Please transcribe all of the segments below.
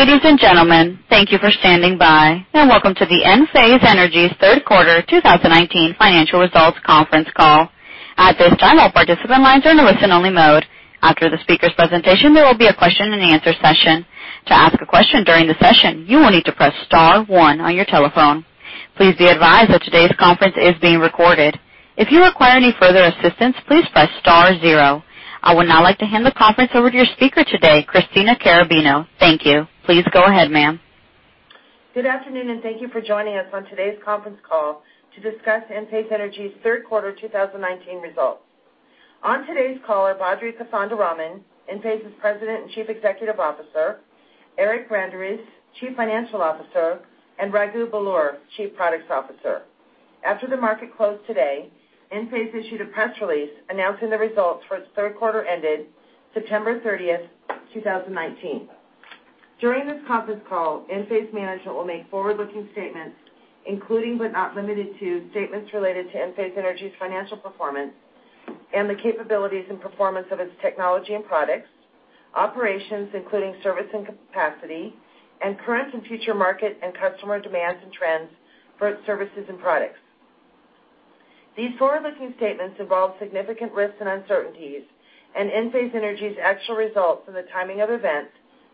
Ladies and gentlemen, thank you for standing by, and welcome to the Enphase Energy's third quarter 2019 financial results conference call. At this time, all participant lines are in a listen-only mode. After the speaker's presentation, there will be a question and answer session. To ask a question during the session, you will need to press star one on your telephone. Please be advised that today's conference is being recorded. If you require any further assistance, please press star zero. I would now like to hand the conference over to your speaker today, Christina Carrabino. Thank you. Please go ahead, ma'am. Good afternoon, and thank you for joining us on today's conference call to discuss Enphase Energy's third quarter 2019 results. On today's call are Badri Kothandaraman, Enphase's President and Chief Executive Officer, Eric Branderiz, Chief Financial Officer, and Raghu Belur, Chief Products Officer. After the market closed today, Enphase issued a press release announcing the results for its third quarter ended September 30, 2019. During this conference call, Enphase management will make forward-looking statements, including but not limited to statements related to Enphase Energy's financial performance and the capabilities and performance of its technology and products, operations including service and capacity, and current and future market and customer demands and trends for its services and products. These forward-looking statements involve significant risks and uncertainties, and Enphase Energy's actual results and the timing of events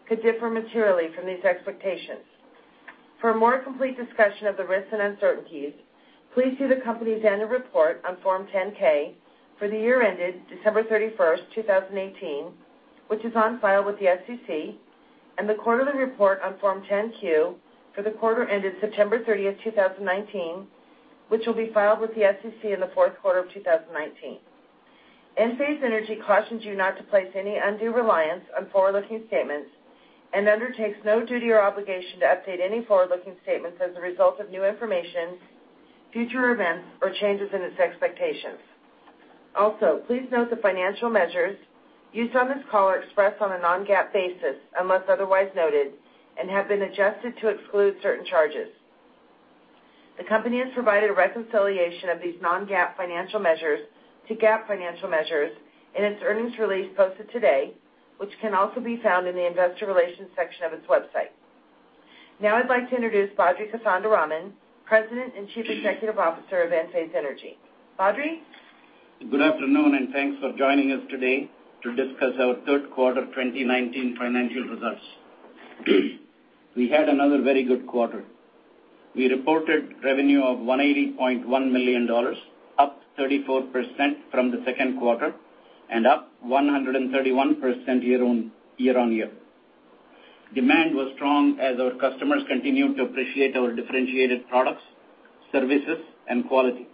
could differ materially from these expectations. For a more complete discussion of the risks and uncertainties, please see the company's annual report on Form 10-K for the year ended December 31st, 2018, which is on file with the SEC, and the quarterly report on Form 10-Q for the quarter ended September 30th, 2019, which will be filed with the SEC in the fourth quarter of 2019. Enphase Energy cautions you not to place any undue reliance on forward-looking statements and undertakes no duty or obligation to update any forward-looking statements as a result of new information, future events, or changes in its expectations. Also, please note that financial measures used on this call are expressed on a non-GAAP basis, unless otherwise noted, and have been adjusted to exclude certain charges. The company has provided a reconciliation of these non-GAAP financial measures to GAAP financial measures in its earnings release posted today, which can also be found in the investor relations section of its website. Now I'd like to introduce Badri Kothandaraman, President and Chief Executive Officer of Enphase Energy. Badri? Good afternoon, and thanks for joining us today to discuss our third quarter 2019 financial results. We had another very good quarter. We reported revenue of $180.1 million, up 34% from the second quarter and up 131% year-on-year. Demand was strong as our customers continued to appreciate our differentiated products, services, and quality.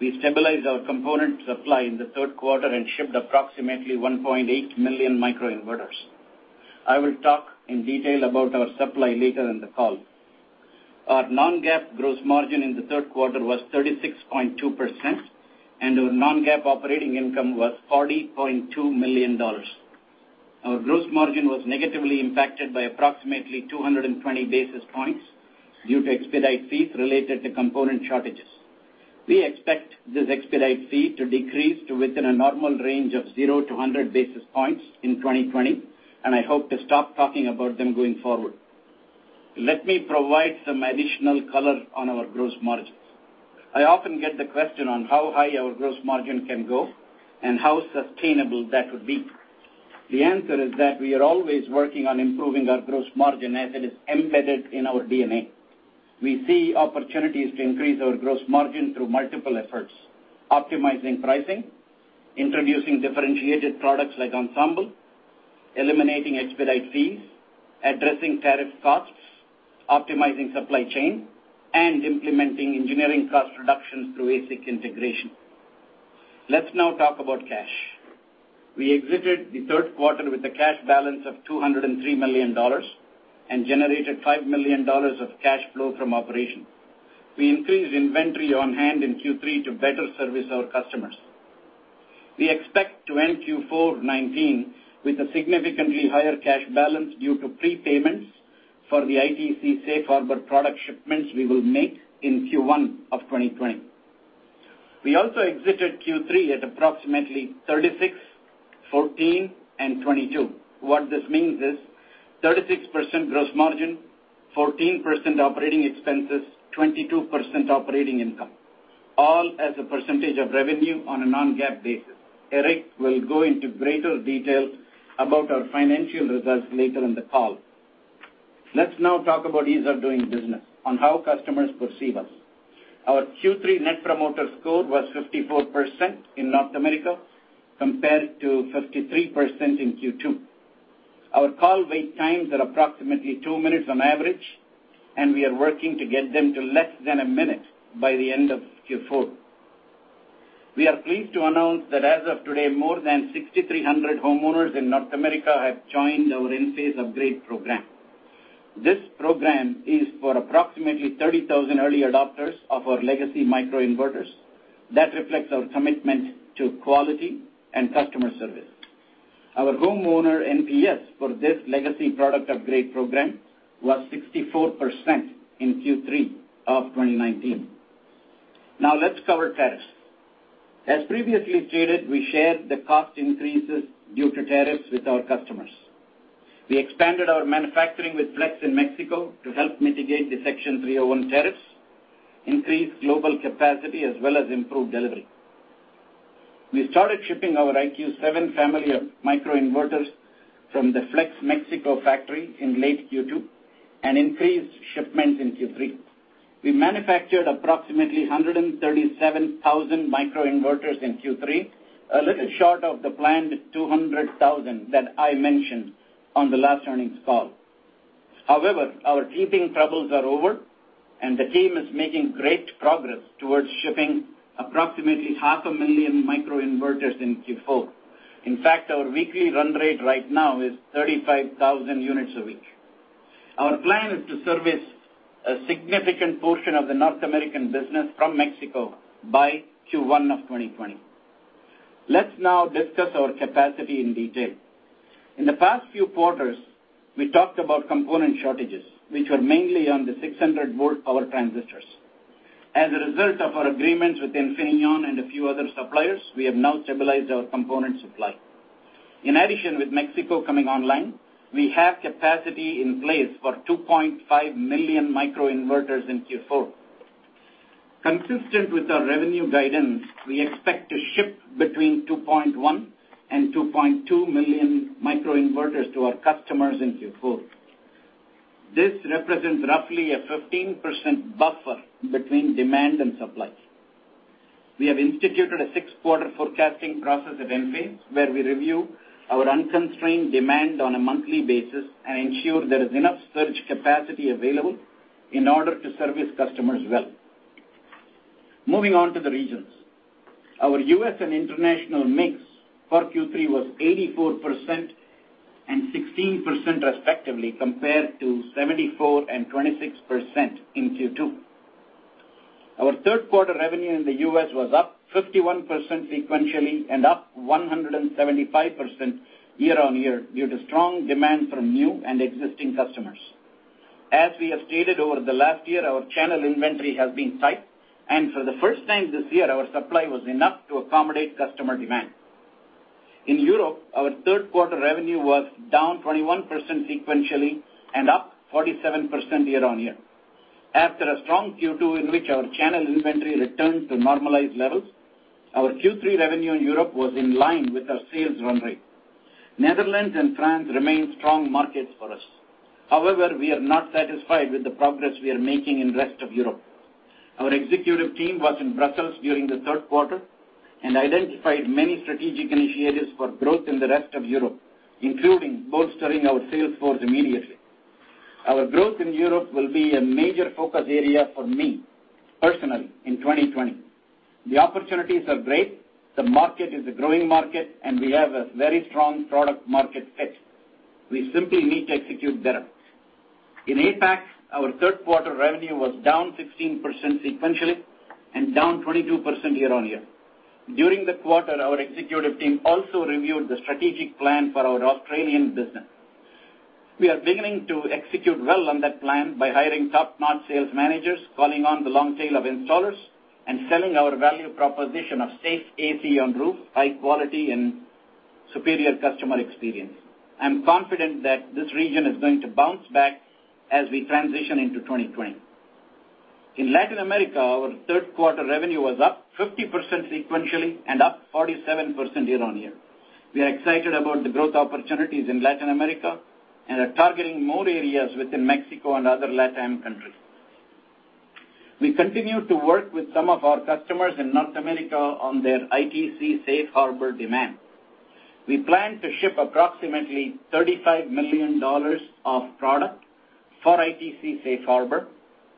We stabilized our component supply in the third quarter and shipped approximately 1.8 million microinverters. I will talk in detail about our supply later in the call. Our non-GAAP gross margin in the third quarter was 36.2%, and our non-GAAP operating income was $40.2 million. Our gross margin was negatively impacted by approximately 220 basis points due to expedite fees related to component shortages. We expect this expedite fee to decrease to within a normal range of 0 to 100 basis points in 2020. I hope to stop talking about them going forward. Let me provide some additional color on our gross margins. I often get the question on how high our gross margin can go and how sustainable that would be. The answer is that we are always working on improving our gross margin as it is embedded in our DNA. We see opportunities to increase our gross margin through multiple efforts: optimizing pricing, introducing differentiated products like Ensemble, eliminating expedite fees, addressing tariff costs, optimizing supply chain, and implementing engineering cost reductions through ASIC integration. Let's now talk about cash. We exited the third quarter with a cash balance of $203 million and generated $5 million of cash flow from operations. We increased inventory on hand in Q3 to better service our customers. We expect to end Q4 2019 with a significantly higher cash balance due to prepayments for the ITC safe harbor product shipments we will make in Q1 2020. We also exited Q3 at approximately 36%, 14%, and 22%. What this means is 36% gross margin, 14% operating expenses, 22% operating income, all as a percentage of revenue on a non-GAAP basis. Eric will go into greater detail about our financial results later in the call. Let's now talk about ease of doing business, on how customers perceive us. Our Q3 Net Promoter Score was 54% in North America, compared to 53% in Q2. Our call wait times are approximately two minutes on average, and we are working to get them to less than a minute by the end of Q4. We are pleased to announce that as of today, more than 6,300 homeowners in North America have joined our Enphase upgrade program. This program is for approximately 30,000 early adopters of our legacy microinverters. That reflects our commitment to quality and customer service. Our homeowner NPS for this legacy product upgrade program was 64% in Q3 of 2019. Let's cover tariffs. As previously stated, we shared the cost increases due to tariffs with our customers. We expanded our manufacturing with Flex in Mexico to help mitigate the Section 301 tariffs, increase global capacity, as well as improve delivery. We started shipping our IQ 7 family of microinverters from the Flex Mexico factory in late Q2 and increased shipments in Q3. We manufactured approximately 137,000 microinverters in Q3, a little short of the planned 200,000 that I mentioned on the last earnings call. However, our teething troubles are over, and the team is making great progress towards shipping approximately half a million microinverters in Q4. In fact, our weekly run rate right now is 35,000 units a week. Our plan is to service a significant portion of the North American business from Mexico by Q1 of 2020. Let's now discuss our capacity in detail. In the past few quarters, we talked about component shortages, which were mainly on the 600-volt power transistors. As a result of our agreements with Infineon and a few other suppliers, we have now stabilized our component supply. In addition, with Mexico coming online, we have capacity in place for 2.5 million microinverters in Q4. Consistent with our revenue guidance, we expect to ship between 2.1 and 2.2 million microinverters to our customers in Q4. This represents roughly a 15% buffer between demand and supply. We have instituted a six-quarter forecasting process at Enphase, where we review our unconstrained demand on a monthly basis and ensure there is enough surge capacity available in order to service customers well. Moving on to the regions. Our U.S. and international mix for Q3 was 84% and 16%, respectively, compared to 74% and 26% in Q2. Our third quarter revenue in the U.S. was up 51% sequentially and up 175% year-on-year due to strong demand from new and existing customers. As we have stated over the last year, our channel inventory has been tight, and for the first time this year, our supply was enough to accommodate customer demand. In Europe, our third quarter revenue was down 21% sequentially and up 47% year-on-year. After a strong Q2, in which our channel inventory returned to normalized levels, our Q3 revenue in Europe was in line with our sales run rate. Netherlands and France remain strong markets for us. However, we are not satisfied with the progress we are making in rest of Europe. Our executive team was in Brussels during the third quarter and identified many strategic initiatives for growth in the rest of Europe, including bolstering our sales force immediately. Our growth in Europe will be a major focus area for me personally in 2020. The opportunities are great. The market is a growing market, and we have a very strong product market fit. We simply need to execute better. In APAC, our third quarter revenue was down 16% sequentially and down 22% year-on-year. During the quarter, our executive team also reviewed the strategic plan for our Australian business. We are beginning to execute well on that plan by hiring top-notch sales managers, calling on the long tail of installers, and selling our value proposition of safe AC on roof, high quality, and superior customer experience. I'm confident that this region is going to bounce back as we transition into 2020. In Latin America, our third quarter revenue was up 50% sequentially and up 47% year-over-year. We are excited about the growth opportunities in Latin America and are targeting more areas within Mexico and other LatAm countries. We continue to work with some of our customers in North America on their ITC Safe Harbor demand. We plan to ship approximately $35 million of product for ITC Safe Harbor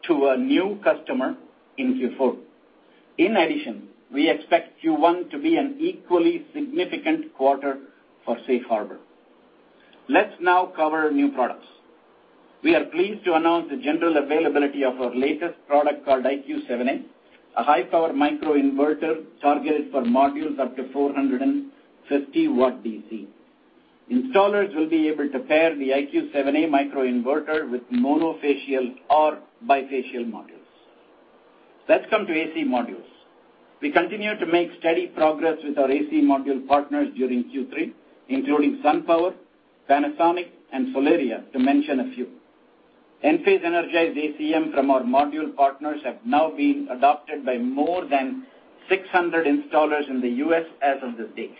to a new customer in Q4. In addition, we expect Q1 to be an equally significant quarter for Safe Harbor. Let's now cover new products. We are pleased to announce the general availability of our latest product called IQ 7A, a high-power microinverter targeted for modules up to 450 W DC. Installers will be able to pair the IQ 7A microinverter with monofacial or bifacial modules. Let's come to AC modules. We continued to make steady progress with our AC module partners during Q3, including SunPower, Panasonic, and Solaria, to mention a few. Enphase Energized ACM from our module partners have now been adopted by more than 600 installers in the U.S. as of this date.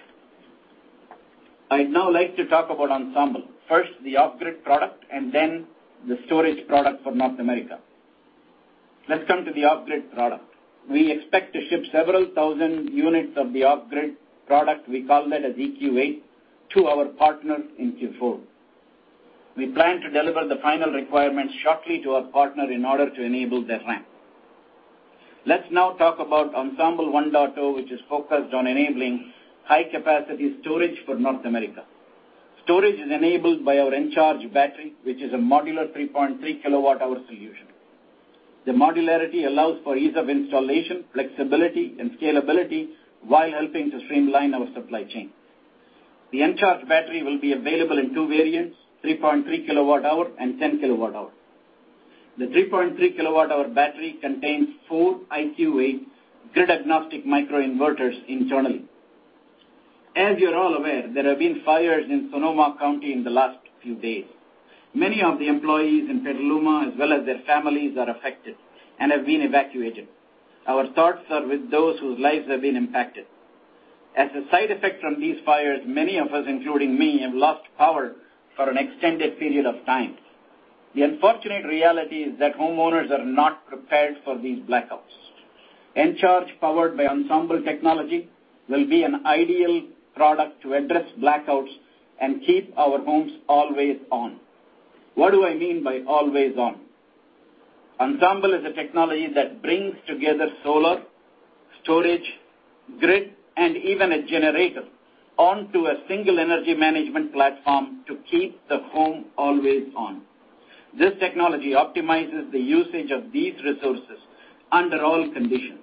I'd now like to talk about Ensemble. First, the off-grid product, and then the storage product for North America. Let's come to the off-grid product. We expect to ship several thousand units of the off-grid product, we call that as IQ8, to our partners in Q4. We plan to deliver the final requirements shortly to our partner in order to enable their ramp. Let's now talk about Ensemble 1.0, which is focused on enabling high-capacity storage for North America. Storage is enabled by our Encharge battery, which is a modular 3.3 kilowatt hour solution. The modularity allows for ease of installation, flexibility, and scalability while helping to streamline our supply chain. The Encharge battery will be available in two variants, 3.3 kilowatt hour and 10 kilowatt hour. The 3.3 kilowatt hour battery contains four IQ8 grid-agnostic microinverters internally. As you're all aware, there have been fires in Sonoma County in the last few days. Many of the employees in Petaluma, as well as their families, are affected and have been evacuated. Our thoughts are with those whose lives have been impacted. As a side effect from these fires, many of us, including me, have lost power for an extended period of time. The unfortunate reality is that homeowners are not prepared for these blackouts. Encharge, powered by Ensemble Technology, will be an ideal product to address blackouts and keep our homes always on. What do I mean by always on? Ensemble is a technology that brings together solar, storage, grid, and even a generator onto a single energy management platform to keep the home always on. This technology optimizes the usage of these resources under all conditions.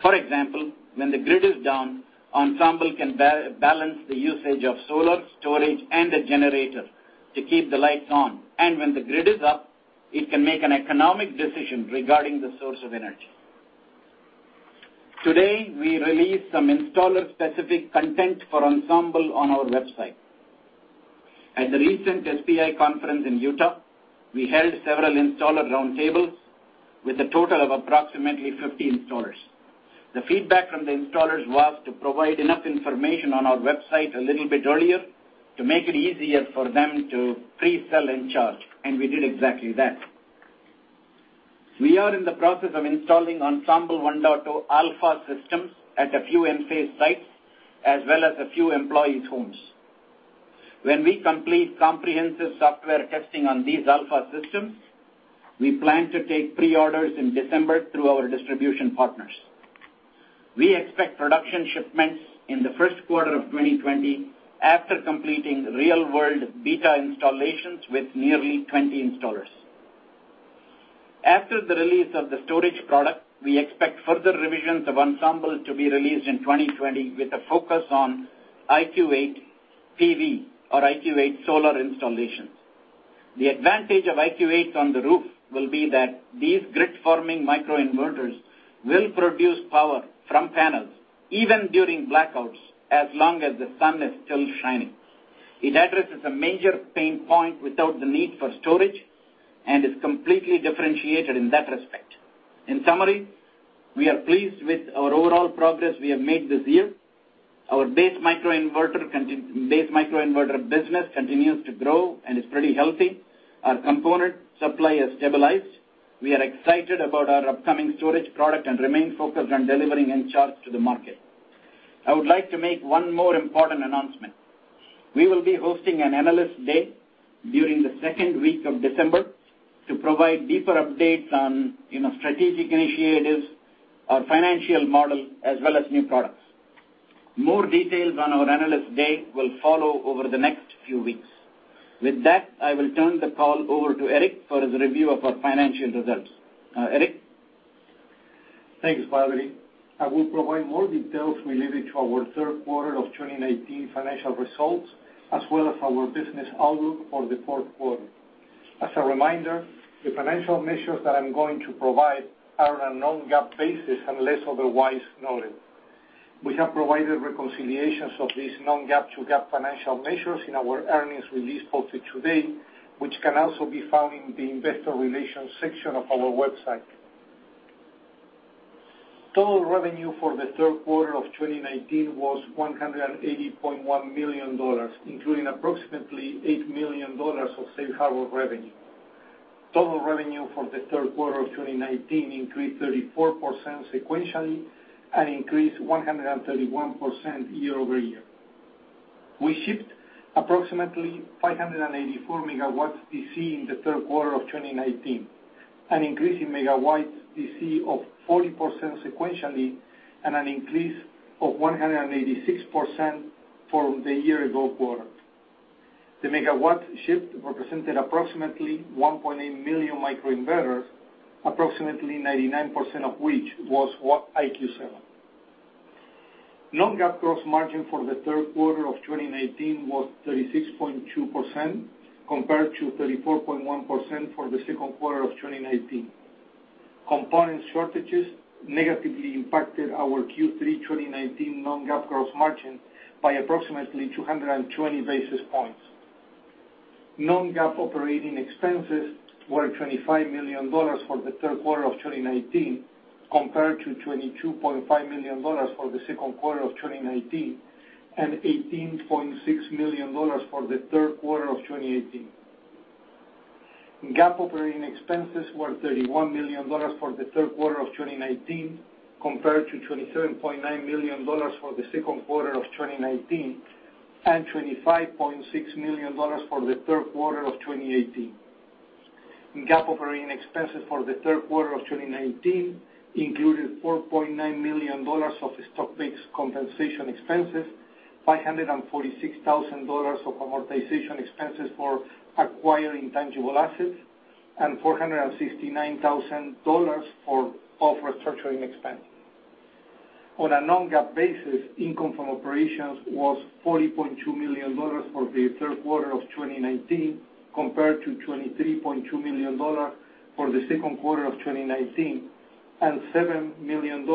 For example, when the grid is down, Ensemble can balance the usage of solar, storage, and the generator to keep the lights on. When the grid is up, it can make an economic decision regarding the source of energy. Today, we release some installer-specific content for Ensemble on our website. At the recent SPI conference in Utah, we held several installer roundtables with a total of approximately 50 installers. The feedback from the installers was to provide enough information on our website a little bit earlier to make it easier for them to pre-sell Encharge, and we did exactly that. We are in the process of installing Ensemble 1.0 alpha systems at a few Enphase sites, as well as a few employees' homes. When we complete comprehensive software testing on these alpha systems, we plan to take pre-orders in December through our distribution partners. We expect production shipments in the first quarter of 2020 after completing real-world beta installations with nearly 20 installers. After the release of the storage product, we expect further revisions of Ensemble to be released in 2020 with a focus on IQ 8-PV or IQ8 solar installation. The advantage of IQ8 on the roof will be that these grid-forming microinverters will produce power from panels even during blackouts, as long as the sun is still shining. It addresses a major pain point without the need for storage and is completely differentiated in that respect. In summary, we are pleased with our overall progress we have made this year. Our base microinverter business continues to grow and is pretty healthy. Our component supply has stabilized. We are excited about our upcoming storage product and remain focused on delivering Encharge to the market. I would like to make one more important announcement. We will be hosting an analyst day during the second week of December to provide deeper updates on strategic initiatives, our financial model, as well as new products. More details on our analyst day will follow over the next few weeks. With that, I will turn the call over to Eric for the review of our financial results. Eric? Thanks, Badri. I will provide more details related to our third quarter of 2019 financial results, as well as our business outlook for the fourth quarter. As a reminder, the financial measures that I'm going to provide are on a non-GAAP basis, unless otherwise noted. We have provided reconciliations of these non-GAAP to GAAP financial measures in our earnings release posted today, which can also be found in the investor relations section of our website. Total revenue for the third quarter of 2019 was $180.1 million, including approximately $8 million of Safe Harbor revenue. Total revenue for the third quarter of 2019 increased 34% sequentially and increased 131% year-over-year. We shipped approximately 584 megawatts DC in the third quarter of 2019, an increase in megawatts DC of 40% sequentially and an increase of 186% from the year-ago quarter. The megawatts shipped represented approximately 1.8 million microinverters, approximately 99% of which was IQ7. Non-GAAP gross margin for the third quarter of 2019 was 36.2%, compared to 34.1% for the second quarter of 2019. Component shortages negatively impacted our Q3 2019 non-GAAP gross margin by approximately 220 basis points. Non-GAAP operating expenses were $25 million for the third quarter of 2019, compared to $22.5 million for the second quarter of 2019, and $18.6 million for the third quarter of 2018. GAAP operating expenses were $31 million for the third quarter of 2019, compared to $27.9 million for the second quarter of 2019 and $25.6 million for the third quarter of 2018. GAAP operating expenses for the third quarter of 2019 included $4.9 million of stock-based compensation expenses, $546,000 of amortization expenses for acquiring tangible assets, and $469,000 of restructuring expense. On a non-GAAP basis, income from operations was $40.2 million for the third quarter of 2019, compared to $23.2 million for the second quarter of 2019, and $7 million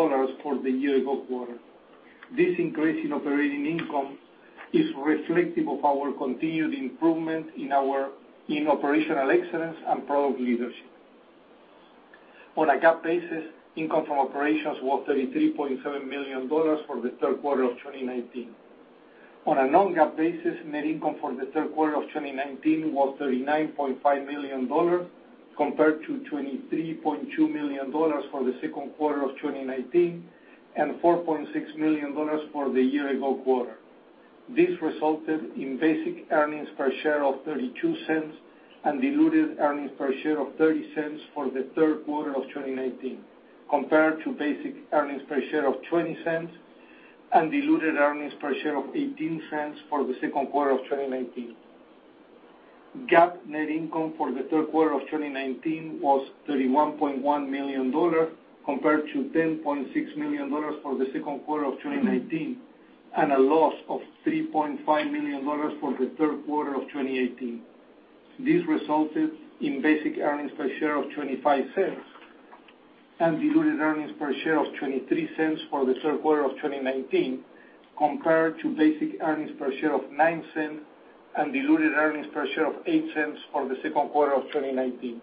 for the year ago quarter. This increase in operating income is reflective of our continued improvement in operational excellence and product leadership. On a GAAP basis, income from operations was $33.7 million for the third quarter of 2019. On a non-GAAP basis, net income for the third quarter of 2019 was $39.5 million, compared to $23.2 million for the second quarter of 2019, and $4.6 million for the year ago quarter. This resulted in basic earnings per share of $0.32 and diluted earnings per share of $0.30 for the third quarter of 2019, compared to basic earnings per share of $0.20 and diluted earnings per share of $0.18 for the second quarter of 2019. GAAP net income for the third quarter of 2019 was $31.1 million, compared to $10.6 million for the second quarter of 2019, and a loss of $3.5 million for the third quarter of 2018. This resulted in basic earnings per share of $0.25, and diluted earnings per share of $0.23 for the third quarter of 2019, compared to basic earnings per share of $0.09 and diluted earnings per share of $0.08 for the second quarter of 2019.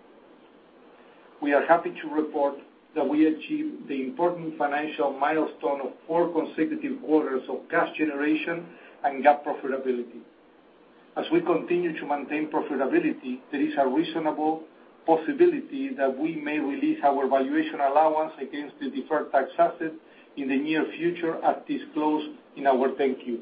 We are happy to report that we achieved the important financial milestone of four consecutive quarters of cash generation and GAAP profitability. As we continue to maintain profitability, there is a reasonable possibility that we may release our valuation allowance against the deferred tax asset in the near future as disclosed in our 10-Q.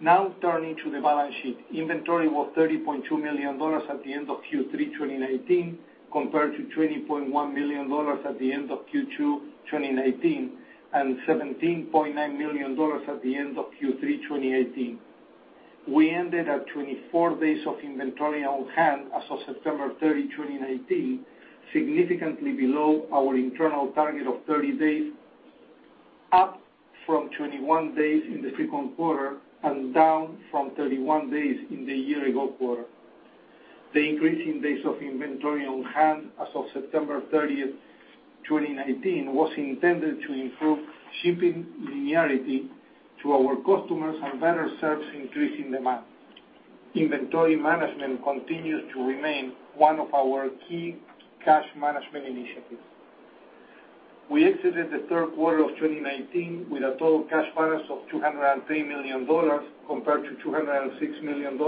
Now turning to the balance sheet. Inventory was $30.2 million at the end of Q3 2019, compared to $20.1 million at the end of Q2 2019, and $17.9 million at the end of Q3 2018. We ended at 24 days of inventory on hand as of September 30, 2019, significantly below our internal target of 30 days, up from 21 days in the second quarter, and down from 31 days in the year-ago quarter. The increase in days of inventory on hand as of September 30th, 2019, was intended to improve shipping linearity to our customers and better serve increasing demand. Inventory management continues to remain one of our key cash management initiatives. We exited the third quarter of 2019 with a total cash balance of $203 million compared to $206 million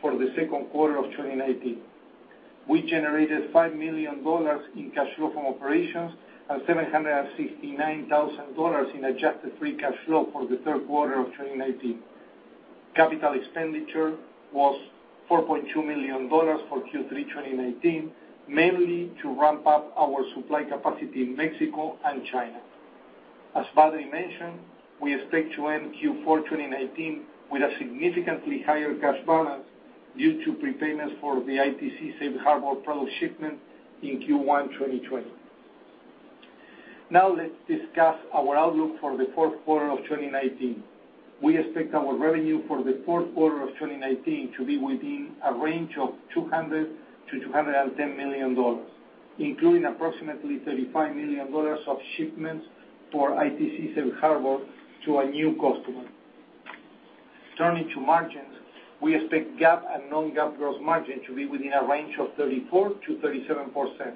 for the second quarter of 2019. We generated $5 million in cash flow from operations and $769,000 in adjusted free cash flow for the third quarter of 2019. Capital expenditure was $4.2 million for Q3 2019, mainly to ramp up our supply capacity in Mexico and China. As Badri mentioned, we expect to end Q4 2019 with a significantly higher cash balance due to prepayments for the ITC safe harbor product shipment in Q1 2020. Let's discuss our outlook for the fourth quarter of 2019. We expect our revenue for the fourth quarter of 2019 to be within a range of $200 million-$210 million, including approximately $35 million of shipments for ITC safe harbor to a new customer. Turning to margins, we expect GAAP and non-GAAP gross margin to be within a range of 34%-37%.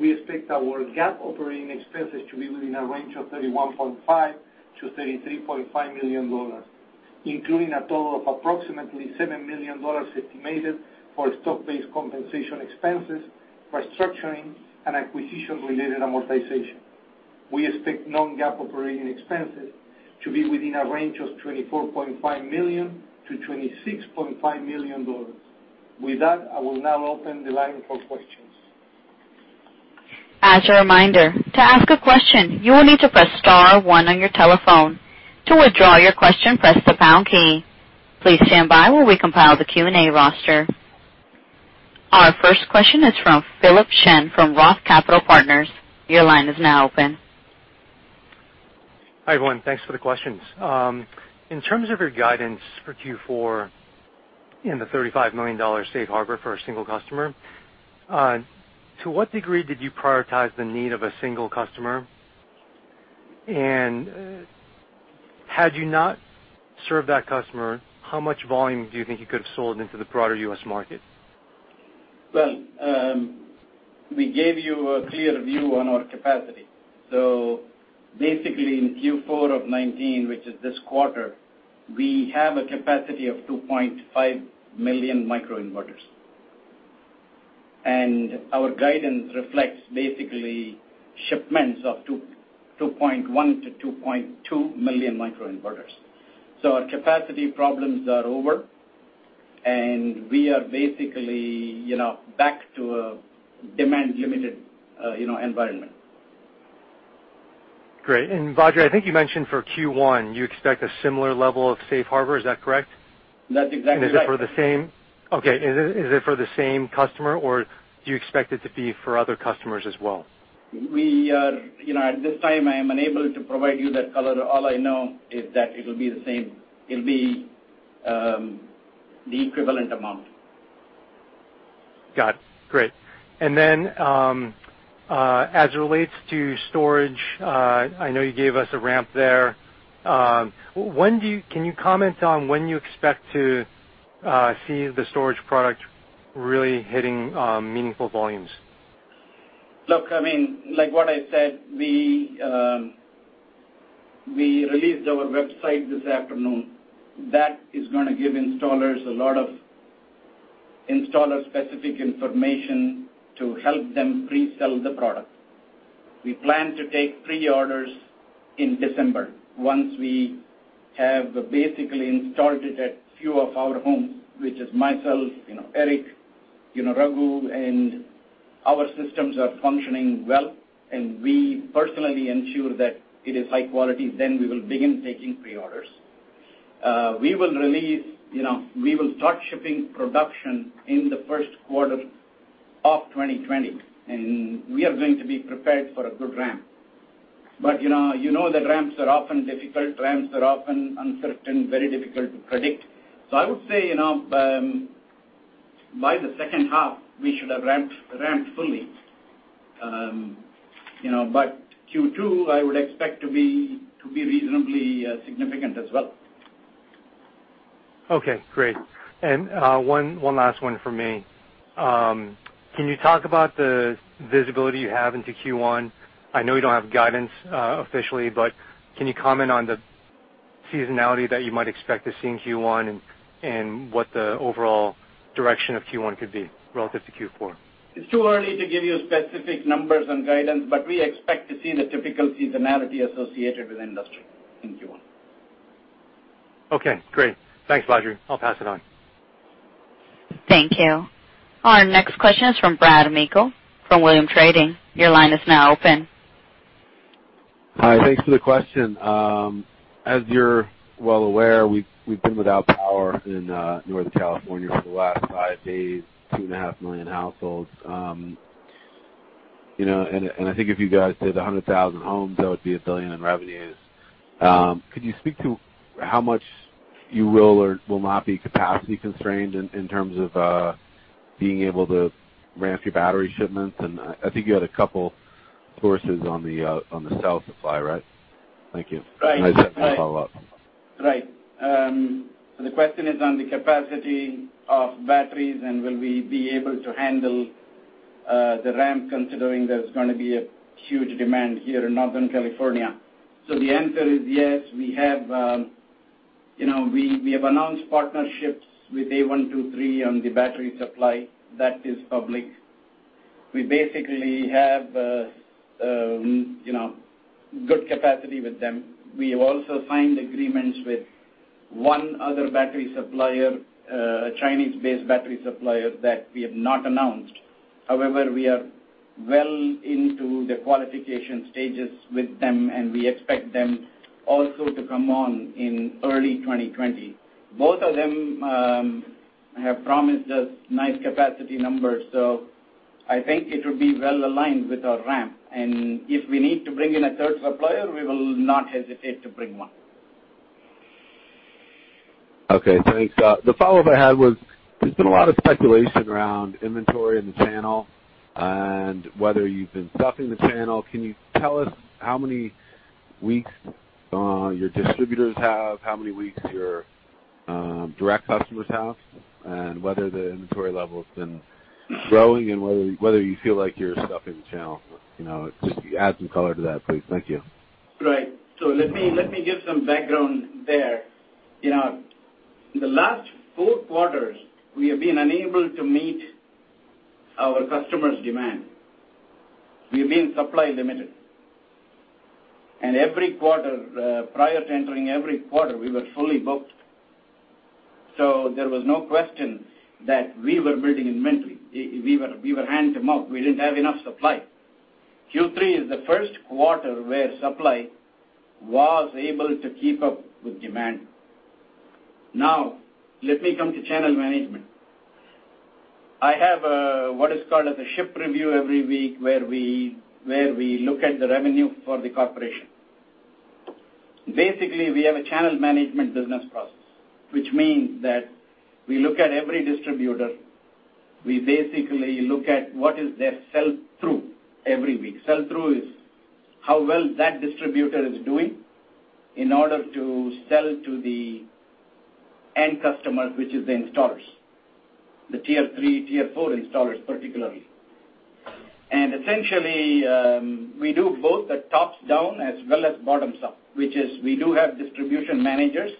We expect our GAAP operating expenses to be within a range of $31.5 million-$33.5 million, including a total of approximately $7 million estimated for stock-based compensation expenses for structuring and acquisition-related amortization. We expect non-GAAP operating expenses to be within a range of $24.5 million-$26.5 million. With that, I will now open the line for questions. As a reminder, to ask a question, you will need to press star one on your telephone. To withdraw your question, press the pound key. Please stand by while we compile the Q&A roster. Our first question is from Philip Shen from Roth Capital Partners. Your line is now open. Hi, everyone. Thanks for the questions. In terms of your guidance for Q4 in the $35 million safe harbor for a single customer, to what degree did you prioritize the need of a single customer? Had you not served that customer, how much volume do you think you could have sold into the broader U.S. market? Well, we gave you a clear view on our capacity. Basically, in Q4 of 2019, which is this quarter, we have a capacity of 2.5 million microinverters. Our guidance reflects basically shipments of 2.1 million-2.2 million microinverters. Our capacity problems are over, and we are basically back to a demand-limited environment. Great. Badri, I think you mentioned for Q1, you expect a similar level of safe harbor, is that correct? That's exactly right. Okay. Is it for the same customer, or do you expect it to be for other customers as well? At this time, I am unable to provide you that color. All I know is that it'll be the same. It'll be the equivalent amount. Got it. Great. Then, as it relates to storage, I know you gave us a ramp there. Can you comment on when you expect to see the storage product really hitting meaningful volumes? Look, like what I said, we released our website this afternoon. That is going to give installers a lot of installer-specific information to help them pre-sell the product. We plan to take pre-orders in December once we have basically installed it at few of our homes, which is myself, Eric, Raghu. Our systems are functioning well, and we personally ensure that it is high quality. We will begin taking pre-orders. We will start shipping production in the first quarter of 2020, and we are going to be prepared for a good ramp. You know that ramps are often difficult. Ramps are often uncertain, very difficult to predict. I would say, by the second half, we should have ramped fully. Q2, I would expect to be reasonably significant as well. Okay, great. One last one from me. Can you talk about the visibility you have into Q1? I know you don't have guidance officially, but can you comment on the seasonality that you might expect to see in Q1 and what the overall direction of Q1 could be relative to Q4? It's too early to give you specific numbers and guidance, but we expect to see the typical seasonality associated with the industry in Q1. Okay, great. Thanks, Badri. I'll pass it on. Thank you. Our next question is from Brad Meikle from Williams Trading. Your line is now open. Hi. Thanks for the question. As you're well aware, we've been without power in Northern California for the last five days, 2.5 million households. I think if you guys did 100,000 homes, that would be $1 billion in revenues. Could you speak to how much you will or will not be capacity constrained in terms of being able to ramp your battery shipments? I think you had a couple sources on the cell supply, right? Thank you. Right. I certainly follow up. Right. The question is on the capacity of batteries and will we be able to handle the ramp, considering there's going to be a huge demand here in Northern California. The answer is yes. We have announced partnerships with A123 on the battery supply. That is public. We basically have good capacity with them. We have also signed agreements with one other battery supplier, a Chinese-based battery supplier that we have not announced. However, we are well into the qualification stages with them, and we expect them also to come on in early 2020. Both of them have promised us nice capacity numbers. I think it will be well aligned with our ramp. If we need to bring in a third supplier, we will not hesitate to bring one. Okay, thanks. The follow-up I had was, there's been a lot of speculation around inventory in the channel and whether you've been stuffing the channel. Can you tell us how many weeks your distributors have, how many weeks your direct customers have, and whether the inventory level has been growing, and whether you feel like you're stuffing the channel? Could you add some color to that, please? Thank you. Right. Let me give some background there. In the last four quarters, we have been unable to meet our customers' demand. We've been supply limited. Prior to entering every quarter, we were fully booked. There was no question that we were building inventory. We were hand to mouth. We didn't have enough supply. Q3 is the first quarter where supply was able to keep up with demand. Now, let me come to channel management. I have what is called a ship review every week, where we look at the revenue for the corporation. Basically, we have a channel management business process, which means that we look at every distributor. We basically look at what is their sell-through every week. Sell-through is how well that distributor is doing in order to sell to the end customer, which is the installers, the tier 3, tier 4 installers, particularly. Essentially, we do both the tops-down as well as bottoms-up, which is we do have distribution managers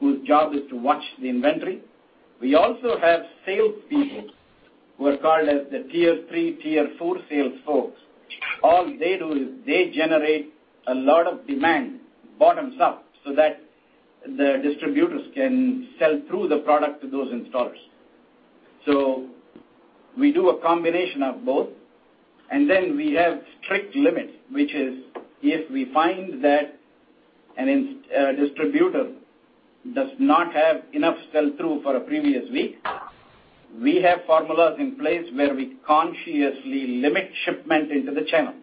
whose job is to watch the inventory. We also have sales people who are called as the tier 3, tier 4 sales folks. All they do is they generate a lot of demand bottoms-up so that the distributors can sell through the product to those installers. We do a combination of both. We have strict limits, which is, if we find that a distributor does not have enough sell-through for a previous week, we have formulas in place where we consciously limit shipment into the channel.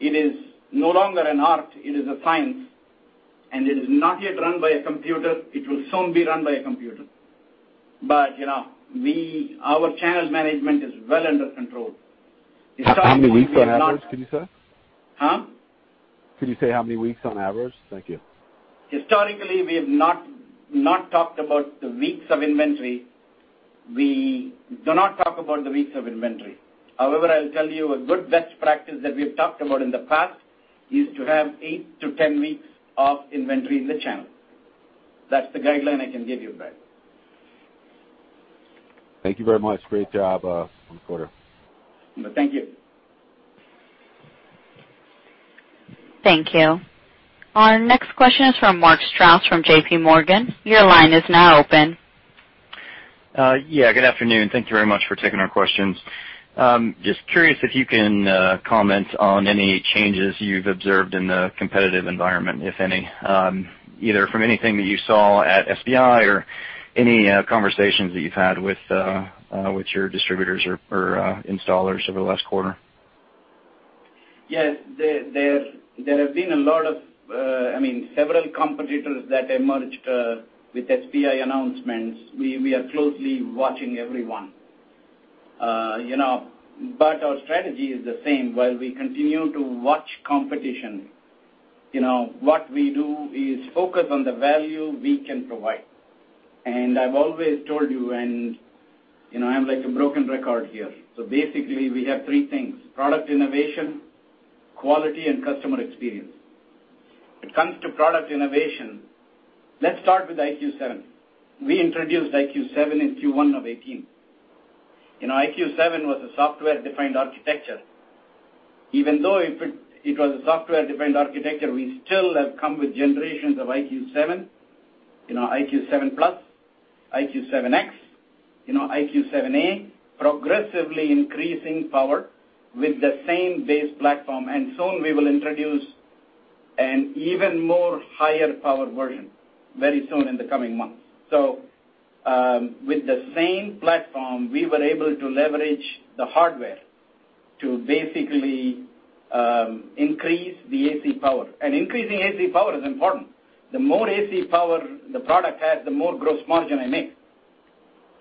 It is no longer an art, it is a science, and it is not yet run by a computer. It will soon be run by a computer. Our channel management is well under control. How many weeks on average, can you say? Huh? Can you say how many weeks on average? Thank you. Historically, we have not talked about the weeks of inventory. We do not talk about the weeks of inventory. However, I'll tell you a good best practice that we've talked about in the past, is to have eight to 10 weeks of inventory in the channel. That's the guideline I can give you, Brad. Thank you very much. Great job on the quarter. Thank you. Thank you. Our next question is from Mark Strouse from JPMorgan. Your line is now open. Yeah, good afternoon. Thank you very much for taking our questions. Just curious if you can comment on any changes you've observed in the competitive environment, if any, either from anything that you saw at SPI or any conversations that you've had with your distributors or installers over the last quarter? Yes. There have been several competitors that emerged with SPI announcements. We are closely watching everyone. Our strategy is the same. While we continue to watch competition, what we do is focus on the value we can provide. I've always told you, and I'm like a broken record here. Basically, we have three things: product innovation, quality, and customer experience. When it comes to product innovation, let's start with IQ 7. We introduced IQ 7 in Q1 of 2018. IQ 7 was a software-defined architecture. Even though it was a software-defined architecture, we still have come with generations of IQ 7, IQ 7+, IQ 7X, IQ 7A, progressively increasing power with the same base platform. Soon we will introduce an even more higher-powered version, very soon in the coming months. With the same platform, we were able to leverage the hardware to basically increase the AC power, and increasing AC power is important. The more AC power the product has, the more gross margin I make.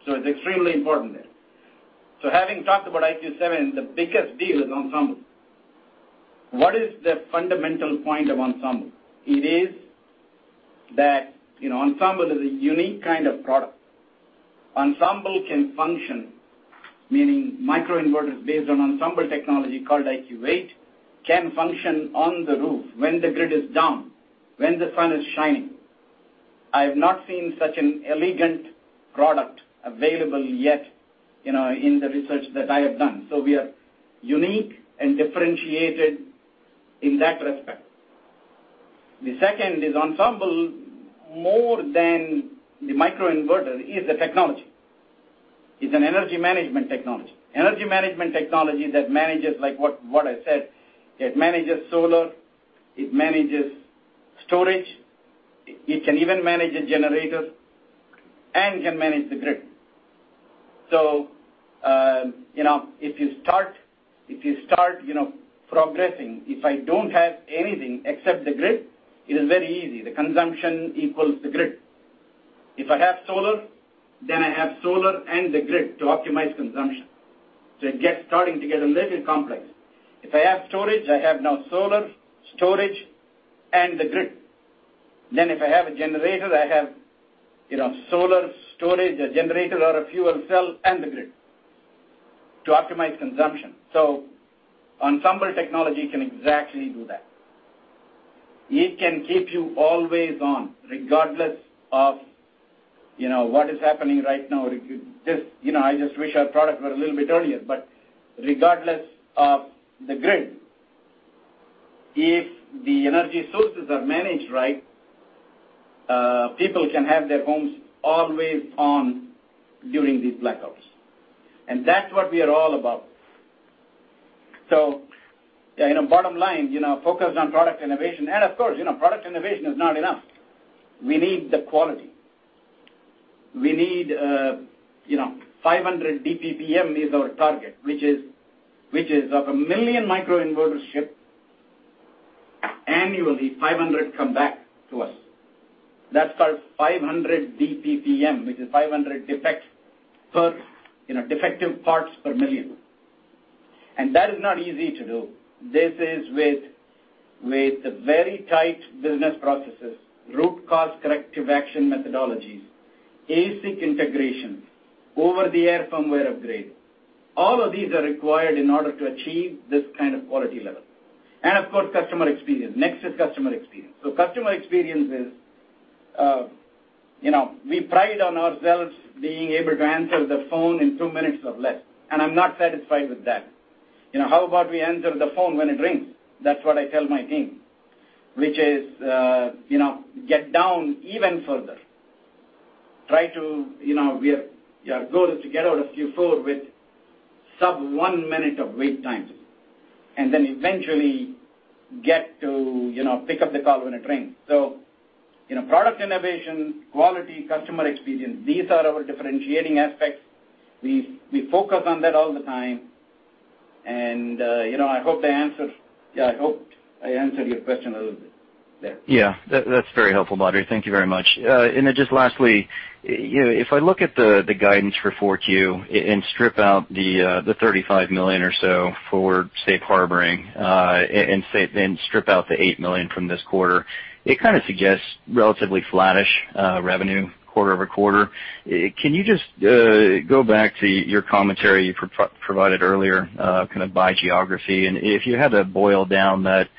It's extremely important there. Having talked about IQ 7, the biggest deal is Ensemble. What is the fundamental point of Ensemble? It is that Ensemble is a unique kind of product. Ensemble can function, meaning microinverters based on Ensemble technology called IQ 8, can function on the roof when the grid is down, when the sun is shining. I have not seen such an elegant product available yet in the research that I have done. We are unique and differentiated in that respect. The second is Ensemble, more than the microinverter, is a technology. It's an energy management technology. Energy management technology that manages, like what I said, it manages solar, it manages storage, it can even manage the generators, and can manage the grid. If you start progressing, if I don't have anything except the grid, it is very easy. The consumption equals the grid. If I have solar, then I have solar and the grid to optimize consumption. It gets starting to get a little complex. If I have storage, I have now solar, storage, and the grid. If I have a generator, I have solar, storage, a generator or a fuel cell, and the grid to optimize consumption. Ensemble technology can exactly do that. It can keep you always on, regardless of what is happening right now. I just wish our product were a little bit earlier, but regardless of the grid. If the energy sources are managed right, people can have their homes always on during these blackouts. That's what we are all about. Bottom line, focus on product innovation. Of course, product innovation is not enough. We need the quality. 500 DPPM is our target, which is of 1 million microinverters shipped annually, 500 come back to us. That's called 500 DPPM, which is 500 defective parts per million. That is not easy to do. This is with very tight business processes, root cause corrective action methodologies, ASIC integration, over-the-air firmware upgrade. All of these are required in order to achieve this kind of quality level. Of course, customer experience. Next is customer experience. Customer experience is, we pride on ourselves being able to answer the phone in two minutes or less, and I'm not satisfied with that. How about we answer the phone when it rings? That's what I tell my team. Which is get down even further. Our goal is to get out of Q4 with sub one minute of wait times, then eventually get to pick up the call when it rings. Product innovation, quality, customer experience, these are our differentiating aspects. We focus on that all the time. I hope I answered your question a little bit there. Yeah. That's very helpful, Badri. Thank you very much. Then just lastly, if I look at the guidance for 4Q and strip out the $35 million or so for safe harboring, and strip out the $8 million from this quarter, it kind of suggests relatively flattish revenue quarter-over-quarter. Can you just go back to your commentary you provided earlier, kind of by geography, and if you had to boil down that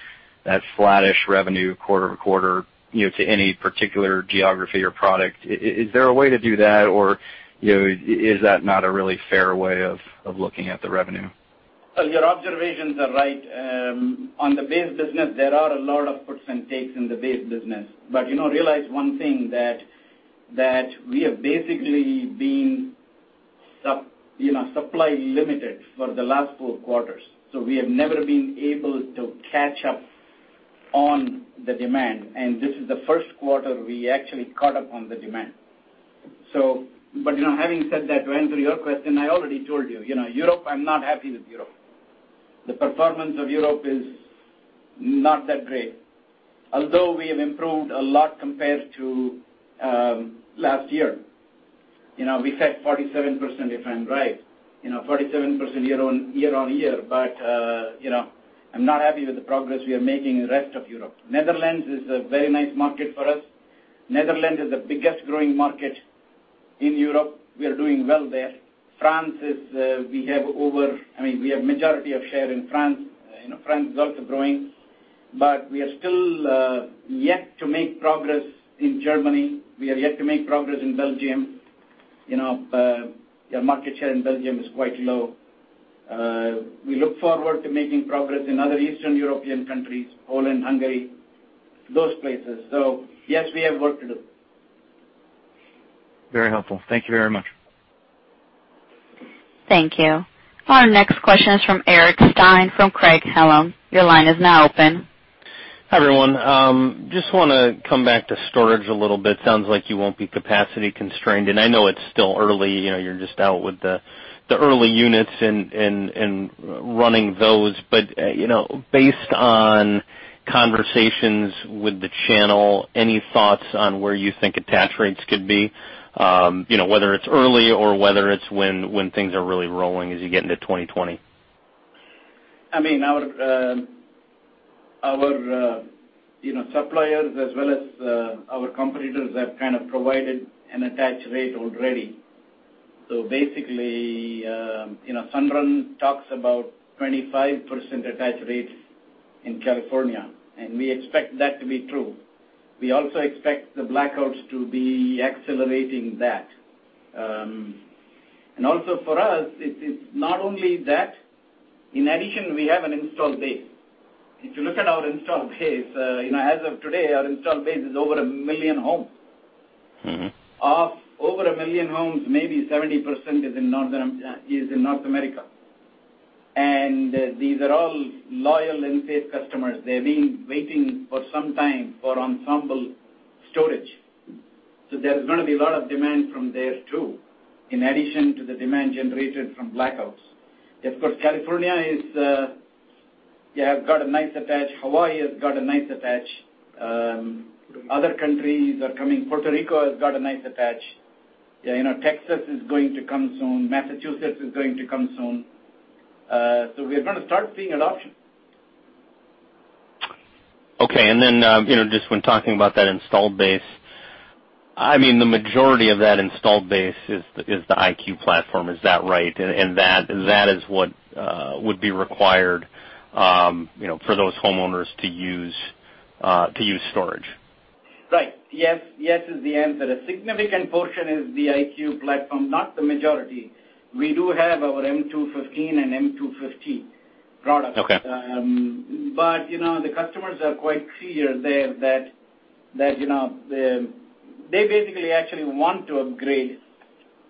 flattish revenue quarter-over-quarter to any particular geography or product, is there a way to do that, or is that not a really fair way of looking at the revenue? Well, your observations are right. On the base business, there are a lot of puts and takes in the base business. Realize one thing, that we have basically been supply limited for the last four quarters. We have never been able to catch up on the demand. This is the first quarter we actually caught up on the demand. Having said that, to answer your question, I already told you, Europe, I'm not happy with Europe. The performance of Europe is not that great. Although we have improved a lot compared to last year. We said 47%, if I'm right. 47% year-on-year. I'm not happy with the progress we are making in the rest of Europe. Netherlands is a very nice market for us. Netherlands is the biggest growing market in Europe. We are doing well there. France, we have majority of share in France. France is also growing. We are still yet to make progress in Germany. We are yet to make progress in Belgium. Our market share in Belgium is quite low. We look forward to making progress in other Eastern European countries, Poland, Hungary, those places. Yes, we have work to do. Very helpful. Thank you very much. Thank you. Our next question is from Eric Stine from Craig-Hallum. Your line is now open. Hi, everyone. Just want to come back to storage a little bit. Sounds like you won't be capacity constrained, and I know it's still early. You're just out with the early units and running those. Based on conversations with the channel, any thoughts on where you think attach rates could be? Whether it's early or whether it's when things are really rolling as you get into 2020. Our suppliers as well as our competitors have kind of provided an attach rate already. Basically, Sunrun talks about 25% attach rates in California, and we expect that to be true. We also expect the blackouts to be accelerating that. Also for us, it's not only that. In addition, we have an install base. If you look at our install base, as of today, our install base is over 1 million homes. Of over 1 million homes, maybe 70% is in North America. These are all loyal Enphase customers. They've been waiting for some time for Ensemble Storage. There's going to be a lot of demand from there, too, in addition to the demand generated from blackouts. Of course, California has got a nice attach. Hawaii has got a nice attach. Other countries are coming. Puerto Rico has got a nice attach. Texas is going to come soon. Massachusetts is going to come soon. We are going to start seeing adoption. Okay. Just when talking about that installed base, the majority of that installed base is the IQ platform. Is that right? That is what would be required for those homeowners to use storage. Right. Yes is the answer. A significant portion is the IQ platform, not the majority. We do have our M215 and M250 products. Okay. The customers are quite clear there that they basically actually want to upgrade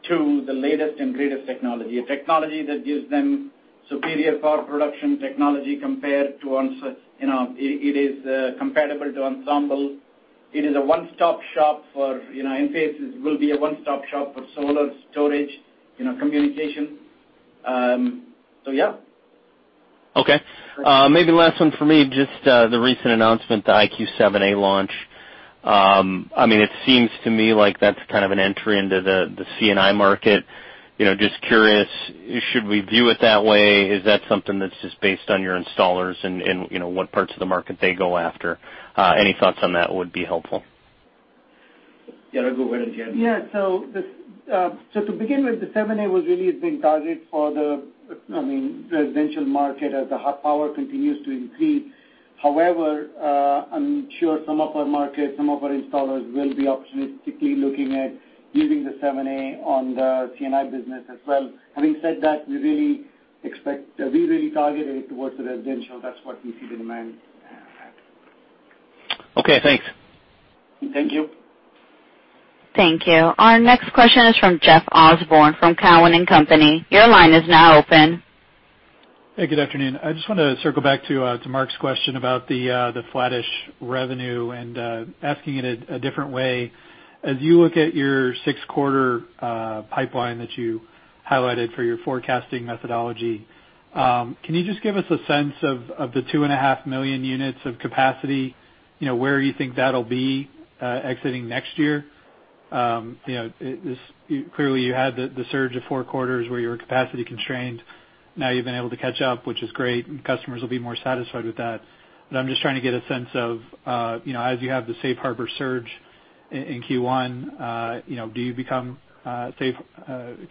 to the latest and greatest technology. A technology that gives them superior power production technology. It is comparable to Ensemble. Enphase will be a one-stop shop for solar storage communication. Yeah. Okay. Maybe last one for me, just the recent announcement, the IQ 7A launch. It seems to me like that's kind of an entry into the C&I market. Just curious, should we view it that way? Is that something that's just based on your installers and what parts of the market they go after? Any thoughts on that would be helpful. Yeah, go ahead, [Janakiram]. Yeah. To begin with, the IQ 7A was really being targeted for the residential market as the power continues to increase. However, I'm sure some of our market, some of our installers will be opportunistically looking at using the IQ 7A on the C&I business as well. Having said that, we really target it towards the residential. That's what we see the demand. Okay, thanks. Thank you. Thank you. Our next question is from Jeff Osborne from Cowen and Company. Your line is now open. Hey, good afternoon. I just wanted to circle back to Mark's question about the flattish revenue and asking it a different way. As you look at your 6-quarter pipeline that you highlighted for your forecasting methodology, can you just give us a sense of the 2.5 million units of capacity, where you think that'll be exiting next year? Clearly, you had the surge of 4 quarters where you were capacity constrained. Now you've been able to catch up, which is great, and customers will be more satisfied with that. I'm just trying to get a sense of, as you have the Safe Harbor surge in Q1, do you become safe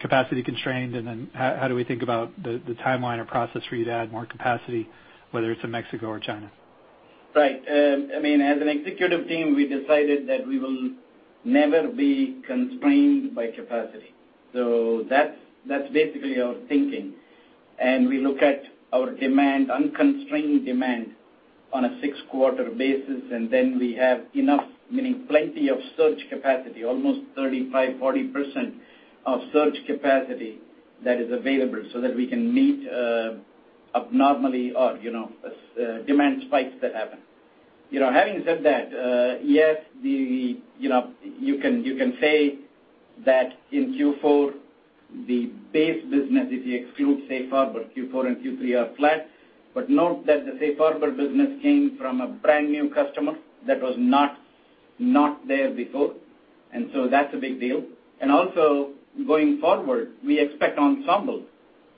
capacity constrained? How do we think about the timeline or process for you to add more capacity, whether it's in Mexico or China? Right. As an executive team, we decided that we will never be constrained by capacity. That's basically our thinking. We look at our unconstrained demand on a 6-quarter basis, and then we have enough, meaning plenty of surge capacity, almost 35%, 40% of surge capacity that is available so that we can meet abnormally or demand spikes that happen. Having said that, yes, you can say that in Q4, the base business, if you exclude Safe Harbor, Q4 and Q3 are flat. Note that the Safe Harbor business came from a brand new customer that was not there before, that's a big deal. Also, going forward, we expect Ensemble,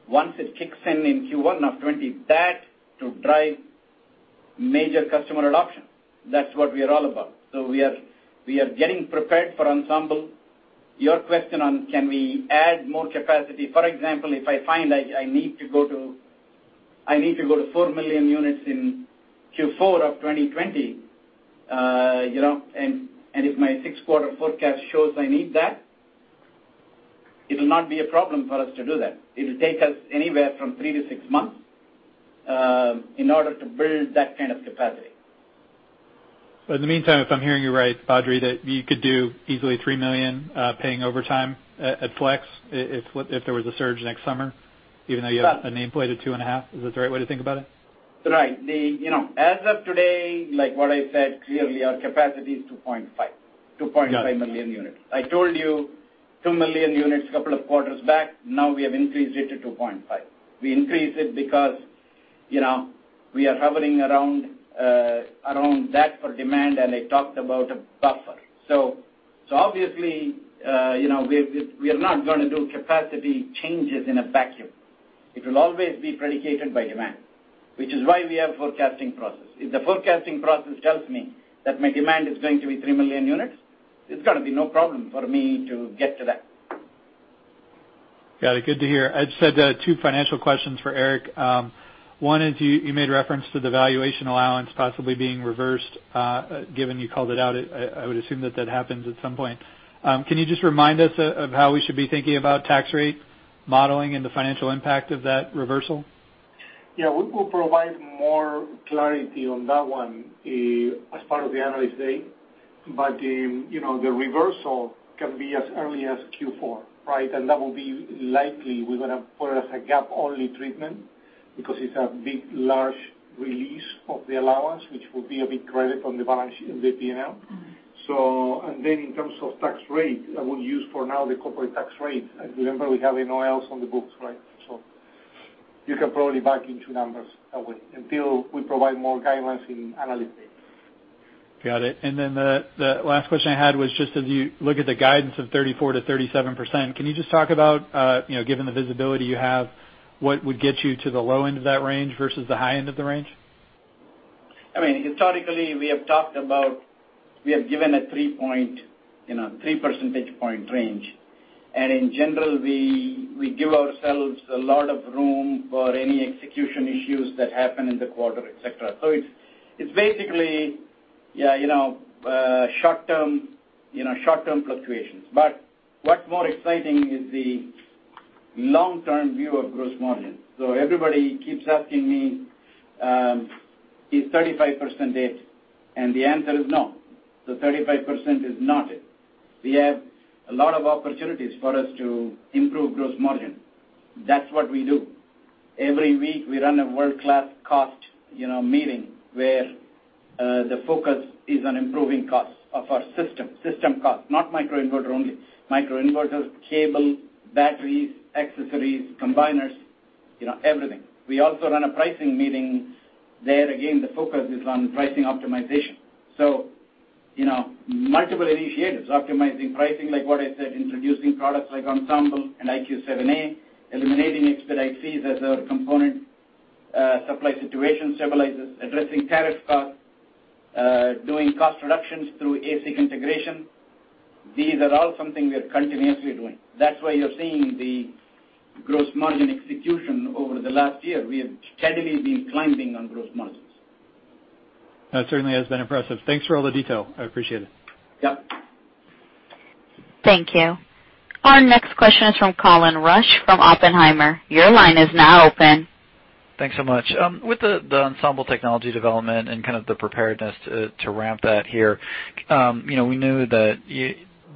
once it kicks in Q1 of 2020, that to drive major customer adoption. That's what we are all about. We are getting prepared for Ensemble. Your question on can we add more capacity, for example, if I find I need to go to 4 million units in Q4 of 2020, and if my six-quarter forecast shows I need that, it will not be a problem for us to do that. It will take us anywhere from three to six months, in order to build that kind of capacity. In the meantime, if I'm hearing you right, Badri, that you could do easily 3 million, paying overtime at Flex, if there was a surge next summer, even though you have a nameplate of 2.5. Is that the right way to think about it? Right. As of today, like what I said, clearly our capacity is 2.5 million units. I told you 2 million units a couple of quarters back. Now we have increased it to 2.5. We increased it because we are hovering around that for demand, I talked about a buffer. Obviously, we are not going to do capacity changes in a vacuum. It will always be predicated by demand, which is why we have forecasting process. If the forecasting process tells me that my demand is going to be 3 million units, it's got to be no problem for me to get to that. Got it. Good to hear. I just had two financial questions for Eric. One is, you made reference to the valuation allowance possibly being reversed. Given you called it out, I would assume that that happens at some point. Can you just remind us of how we should be thinking about tax rate modeling and the financial impact of that reversal? We will provide more clarity on that one as part of the Analyst Day. The reversal can be as early as Q4. That will be likely we're going to put as a GAAP-only treatment because it's a big, large release of the allowance, which will be a big credit on the balance in the P&L. In terms of tax rate, I will use for now the corporate tax rate. Remember, we have NOLs on the books. You can probably back into numbers that way until we provide more guidance in Analyst Day. Got it. The last question I had was just as you look at the guidance of 34%-37%, can you just talk about, given the visibility you have, what would get you to the low end of that range versus the high end of the range? Historically, we have given a three percentage point range. In general, we give ourselves a lot of room for any execution issues that happen in the quarter, et cetera. It's basically short-term fluctuations. What's more exciting is the long-term view of gross margin. Everybody keeps asking me, "Is 35% it?" The answer is no. The 35% is not it. We have a lot of opportunities for us to improve gross margin. That's what we do. Every week, we run a world-class cost meeting where the focus is on improving costs of our system. System cost, not microinverter only. Microinverters, cable, batteries, accessories, combiners, everything. We also run a pricing meeting. There, again, the focus is on pricing optimization. Multiple initiatives, optimizing pricing, like what I said, introducing products like Ensemble and IQ 7A, eliminating expedite fees as a component supply situation stabilizes, addressing tariff costs, doing cost reductions through ASIC integration. These are all something we are continuously doing. That's why you're seeing the gross margin execution over the last year. We have steadily been climbing on gross margins. That certainly has been impressive. Thanks for all the detail. I appreciate it. Yeah. Thank you. Our next question is from Colin Rusch from Oppenheimer. Your line is now open. Thanks so much. With the Ensemble technology development and kind of the preparedness to ramp that here, we knew that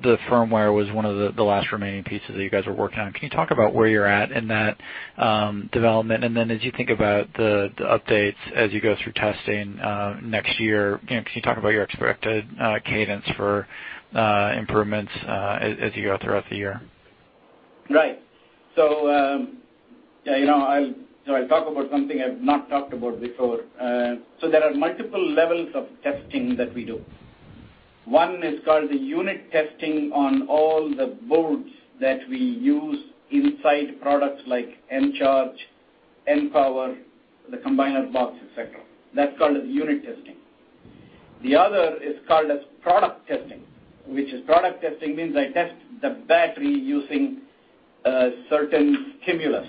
the firmware was one of the last remaining pieces that you guys were working on. Can you talk about where you're at in that development? Then as you think about the updates as you go through testing next year, can you talk about your expected cadence for improvements as you go throughout the year? Right. I'll talk about something I've not talked about before. There are multiple levels of testing that we do. One is called the unit testing on all the boards that we use inside products like Encharge, Enpower, the combiner box, et cetera. That's called a unit testing. The other is called as product testing, which is product testing means I test the battery using a certain stimulus,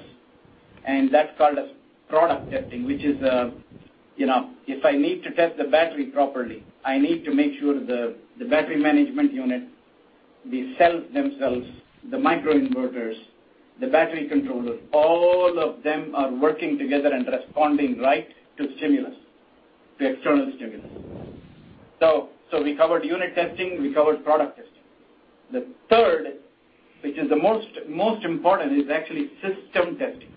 and that's called as product testing. If I need to test the battery properly, I need to make sure the battery management unit, the cells themselves, the micro-inverters, the battery controller, all of them are working together and responding right to stimulus, to external stimulus. We covered unit testing, we covered product testing. The third, which is the most important, is actually system testing.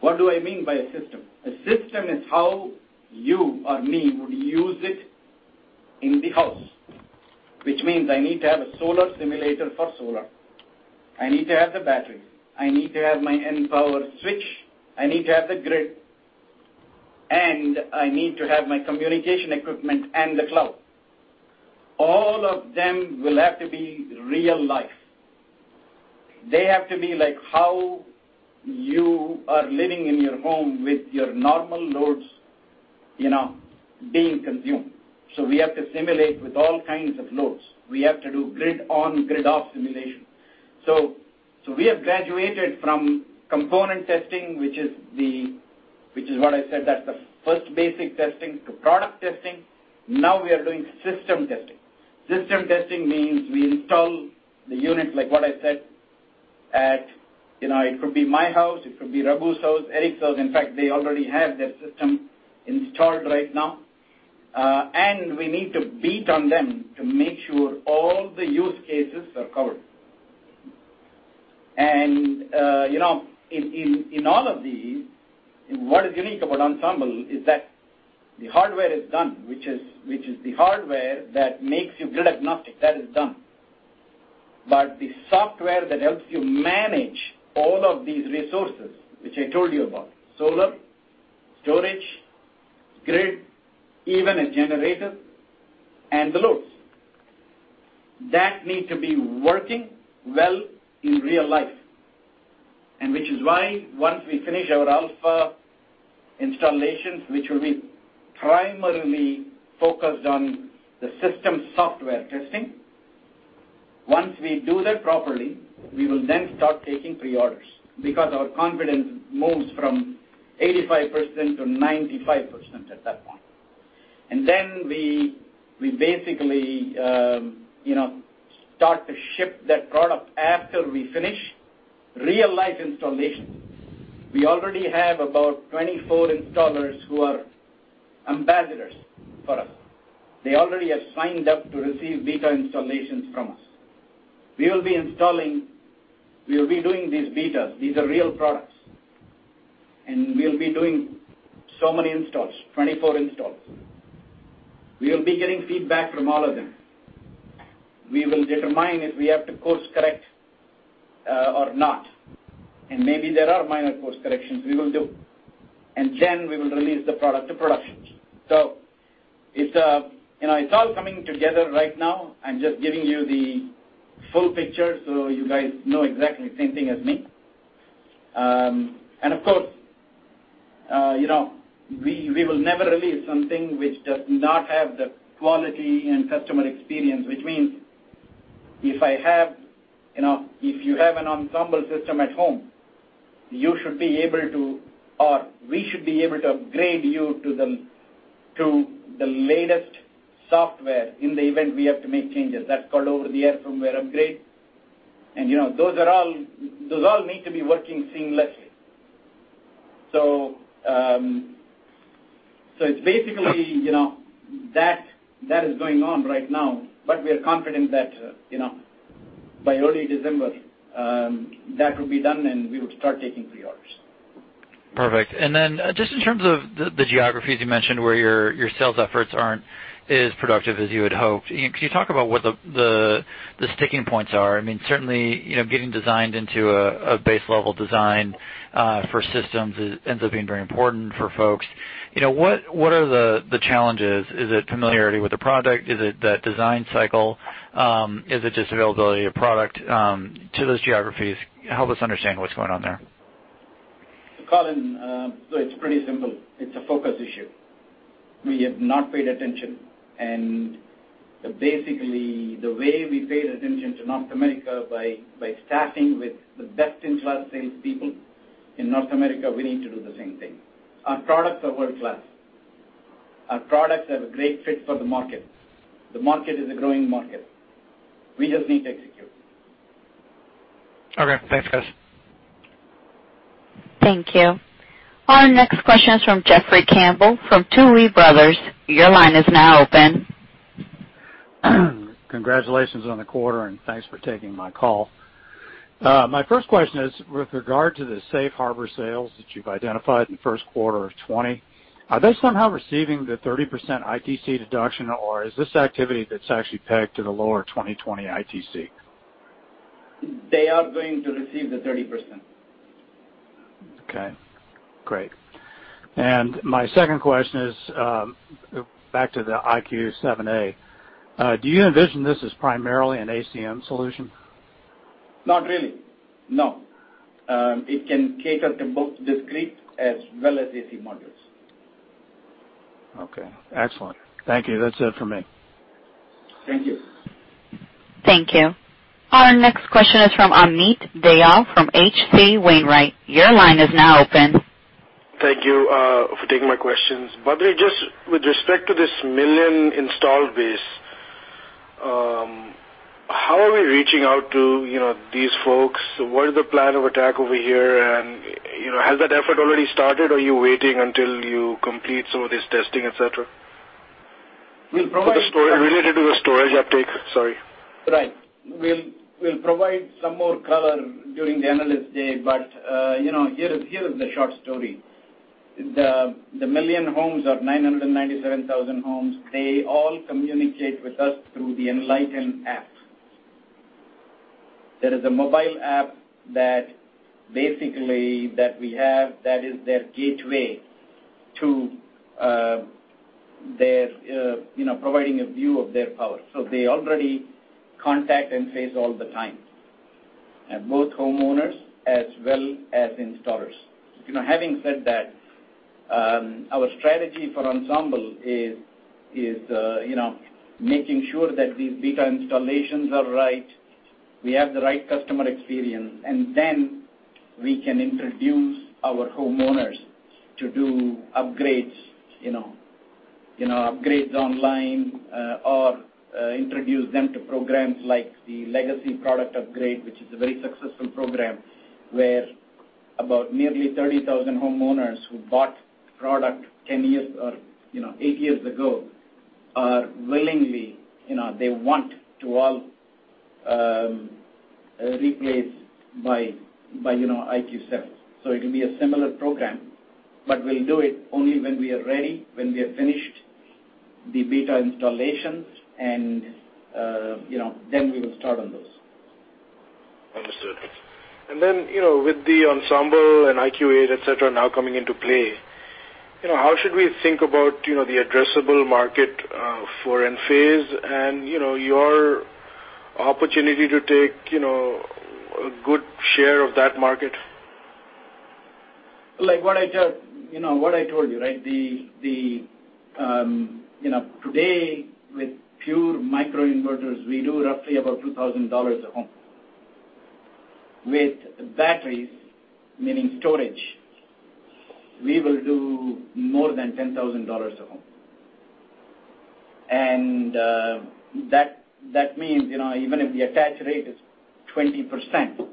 What do I mean by a system? A system is how you or me would use it in the house, which means I need to have a solar simulator for solar. I need to have the battery. I need to have my Enpower switch. I need to have the grid, and I need to have my communication equipment and the cloud. All of them will have to be real-life. They have to be like how you are living in your home with your normal loads being consumed. We have to simulate with all kinds of loads. We have to do grid-on, grid-off simulation. We have graduated from component testing, which is what I said, that's the first basic testing, to product testing. Now we are doing system testing. System testing means we install the unit, like what I said, it could be my house, it could be Raghu's house, Eric's house. In fact, they already have their system installed right now. We need to beat on them to make sure all the use cases are covered. In all of these, what is unique about Ensemble is that the hardware is done, which is the hardware that makes you grid agnostic. That is done. The software that helps you manage all of these resources, which I told you about, solar, storage, grid, even a generator, and the loads. That need to be working well in real life. Which is why once we finish our alpha installations, which will be primarily focused on the system software testing. Once we do that properly, we will then start taking pre-orders, because our confidence moves from 85% to 95% at that point. Then we basically start to ship that product after we finish real-life installation. We already have about 24 installers who are ambassadors for us. They already have signed up to receive beta installations from us. We will be doing these betas. These are real products, and we'll be doing so many installs, 24 installs. We will be getting feedback from all of them. We will determine if we have to course-correct or not, and maybe there are minor course corrections we will do, and then we will release the product to production. It's all coming together right now. I'm just giving you the full picture so you guys know exactly the same thing as me. Of course, we will never release something which does not have the quality and customer experience, which means if you have an Ensemble system at home, you should be able to, or we should be able to upgrade you to the latest software in the event we have to make changes. That's called over-the-air firmware upgrade. Those all need to be working seamlessly. It's basically that is going on right now, but we are confident that by early December, that would be done, and we would start taking pre-orders. Perfect. Then just in terms of the geographies you mentioned where your sales efforts aren't as productive as you had hoped, can you talk about what the sticking points are? Certainly, getting designed into a base level design for systems ends up being very important for folks. What are the challenges? Is it familiarity with the product? Is it that design cycle? Is it just availability of product to those geographies? Help us understand what's going on there. Colin, it's pretty simple. It's a focus issue. We have not paid attention, and basically, the way we paid attention to North America by staffing with the best-in-class salespeople in North America, we need to do the same thing. Our products are world-class. Our products have a great fit for the market. The market is a growing market. We just need to execute. Okay. Thanks, guys. Thank you. Our next question is from Jeffrey Campbell from Tuohy Brothers. Your line is now open. Congratulations on the quarter, and thanks for taking my call. My first question is with regard to the safe harbor sales that you've identified in the first quarter of 2020. Are they somehow receiving the 30% ITC deduction, or is this activity that's actually pegged to the lower 2020 ITC? They are going to receive the 30%. Okay, great. My second question is, back to the IQ 7A. Do you envision this as primarily an ACM solution? Not really, no. It can cater to both discrete as well as AC modules. Okay. Excellent. Thank you. That's it from me. Thank you. Thank you. Our next question is from Amit Dayal from H.C. Wainwright. Your line is now open. Thank you for taking my questions. Badri, just with respect to this 1 million install base, how are we reaching out to these folks? What is the plan of attack over here? Has that effort already started, or are you waiting until you complete some of this testing, et cetera? We'll provide. Related to the storage uptake. Sorry. Right. We will provide some more color during the analyst day. Here is the short story. The million homes or 997,000 homes, they all communicate with us through the Enlighten app. That is a mobile app that we have, that is their gateway to providing a view of their power. They already contact Enphase all the time. Both homeowners as well as installers. Having said that, our strategy for Ensemble is making sure that these beta installations are right, we have the right customer experience, and then we can introduce our homeowners to do upgrades online, or introduce them to programs like the legacy product upgrade. Which is a very successful program, where about nearly 30,000 homeowners who bought product 10 years or eight years ago, they want to all replace by IQ cells. It will be a similar program, but we'll do it only when we are ready, when we are finished the beta installations, and then we will start on those. Understood. With the Ensemble and IQ 8, et cetera, now coming into play, how should we think about the addressable market for Enphase and your opportunity to take a good share of that market? Like what I told you. Today, with pure microinverters, we do roughly about $2,000 a home. With batteries, meaning storage, we will do more than $10,000 a home. That means, even if the attach rate is 20%,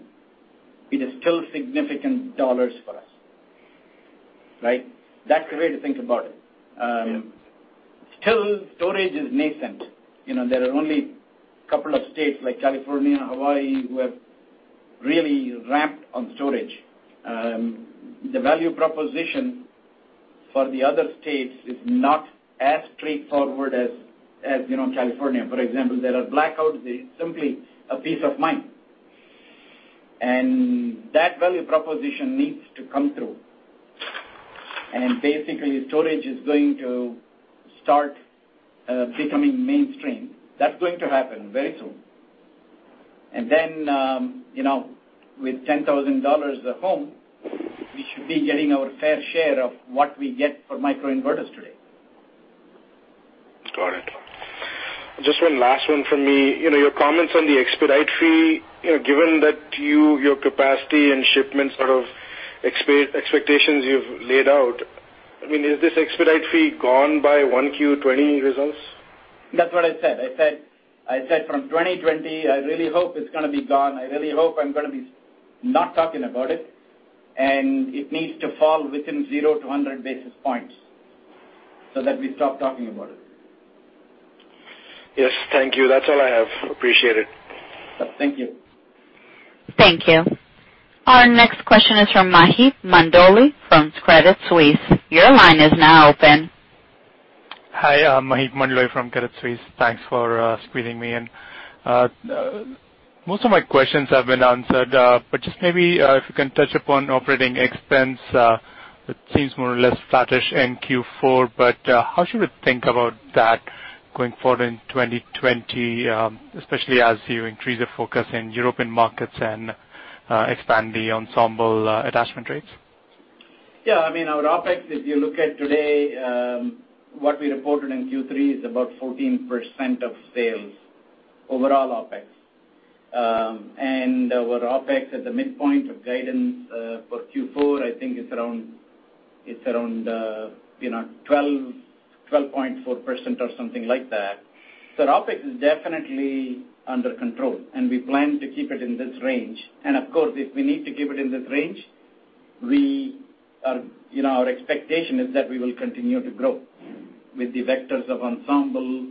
it is still significant dollars for us. That's the way to think about it. Yeah. Still, storage is nascent. There are only a couple of states like California and Hawaii who have really ramped on storage. The value proposition for the other states is not as straightforward as California, for example. There are blackouts, it's simply a peace of mind. That value proposition needs to come through. Basically, storage is going to start becoming mainstream. That's going to happen very soon. Then, with $10,000 a home, we should be getting our fair share of what we get for microinverters today. Got it. Just one last one from me. Your comments on the expedite fee, given that your capacity and shipments sort of expectations you've laid out. Is this expedite fee gone by 1Q 2020 results? That's what I said. I said from 2020, I really hope it's going to be gone. I really hope I'm going to be not talking about it. It needs to fall within 0-100 basis points, so that we stop talking about it. Yes. Thank you. That's all I have. Appreciate it. Thank you. Thank you. Our next question is from Maheep Mandloi from Credit Suisse. Your line is now open. Hi. Maheep Mandloi from Credit Suisse. Thanks for squeezing me in. Most of my questions have been answered. Just maybe if you can touch upon operating expense. It seems more or less flattish in Q4. How should we think about that going forward in 2020, especially as you increase the focus in European markets and expand the Ensemble attachment rates? Yeah. Our OpEx, if you look at today, what we reported in Q3 is about 14% of sales. Overall OpEx. Our OpEx at the midpoint of guidance for Q4, I think it's around 12.4% or something like that. OpEx is definitely under control, and we plan to keep it in this range. Of course, if we need to keep it in this range, our expectation is that we will continue to grow with the vectors of Ensemble,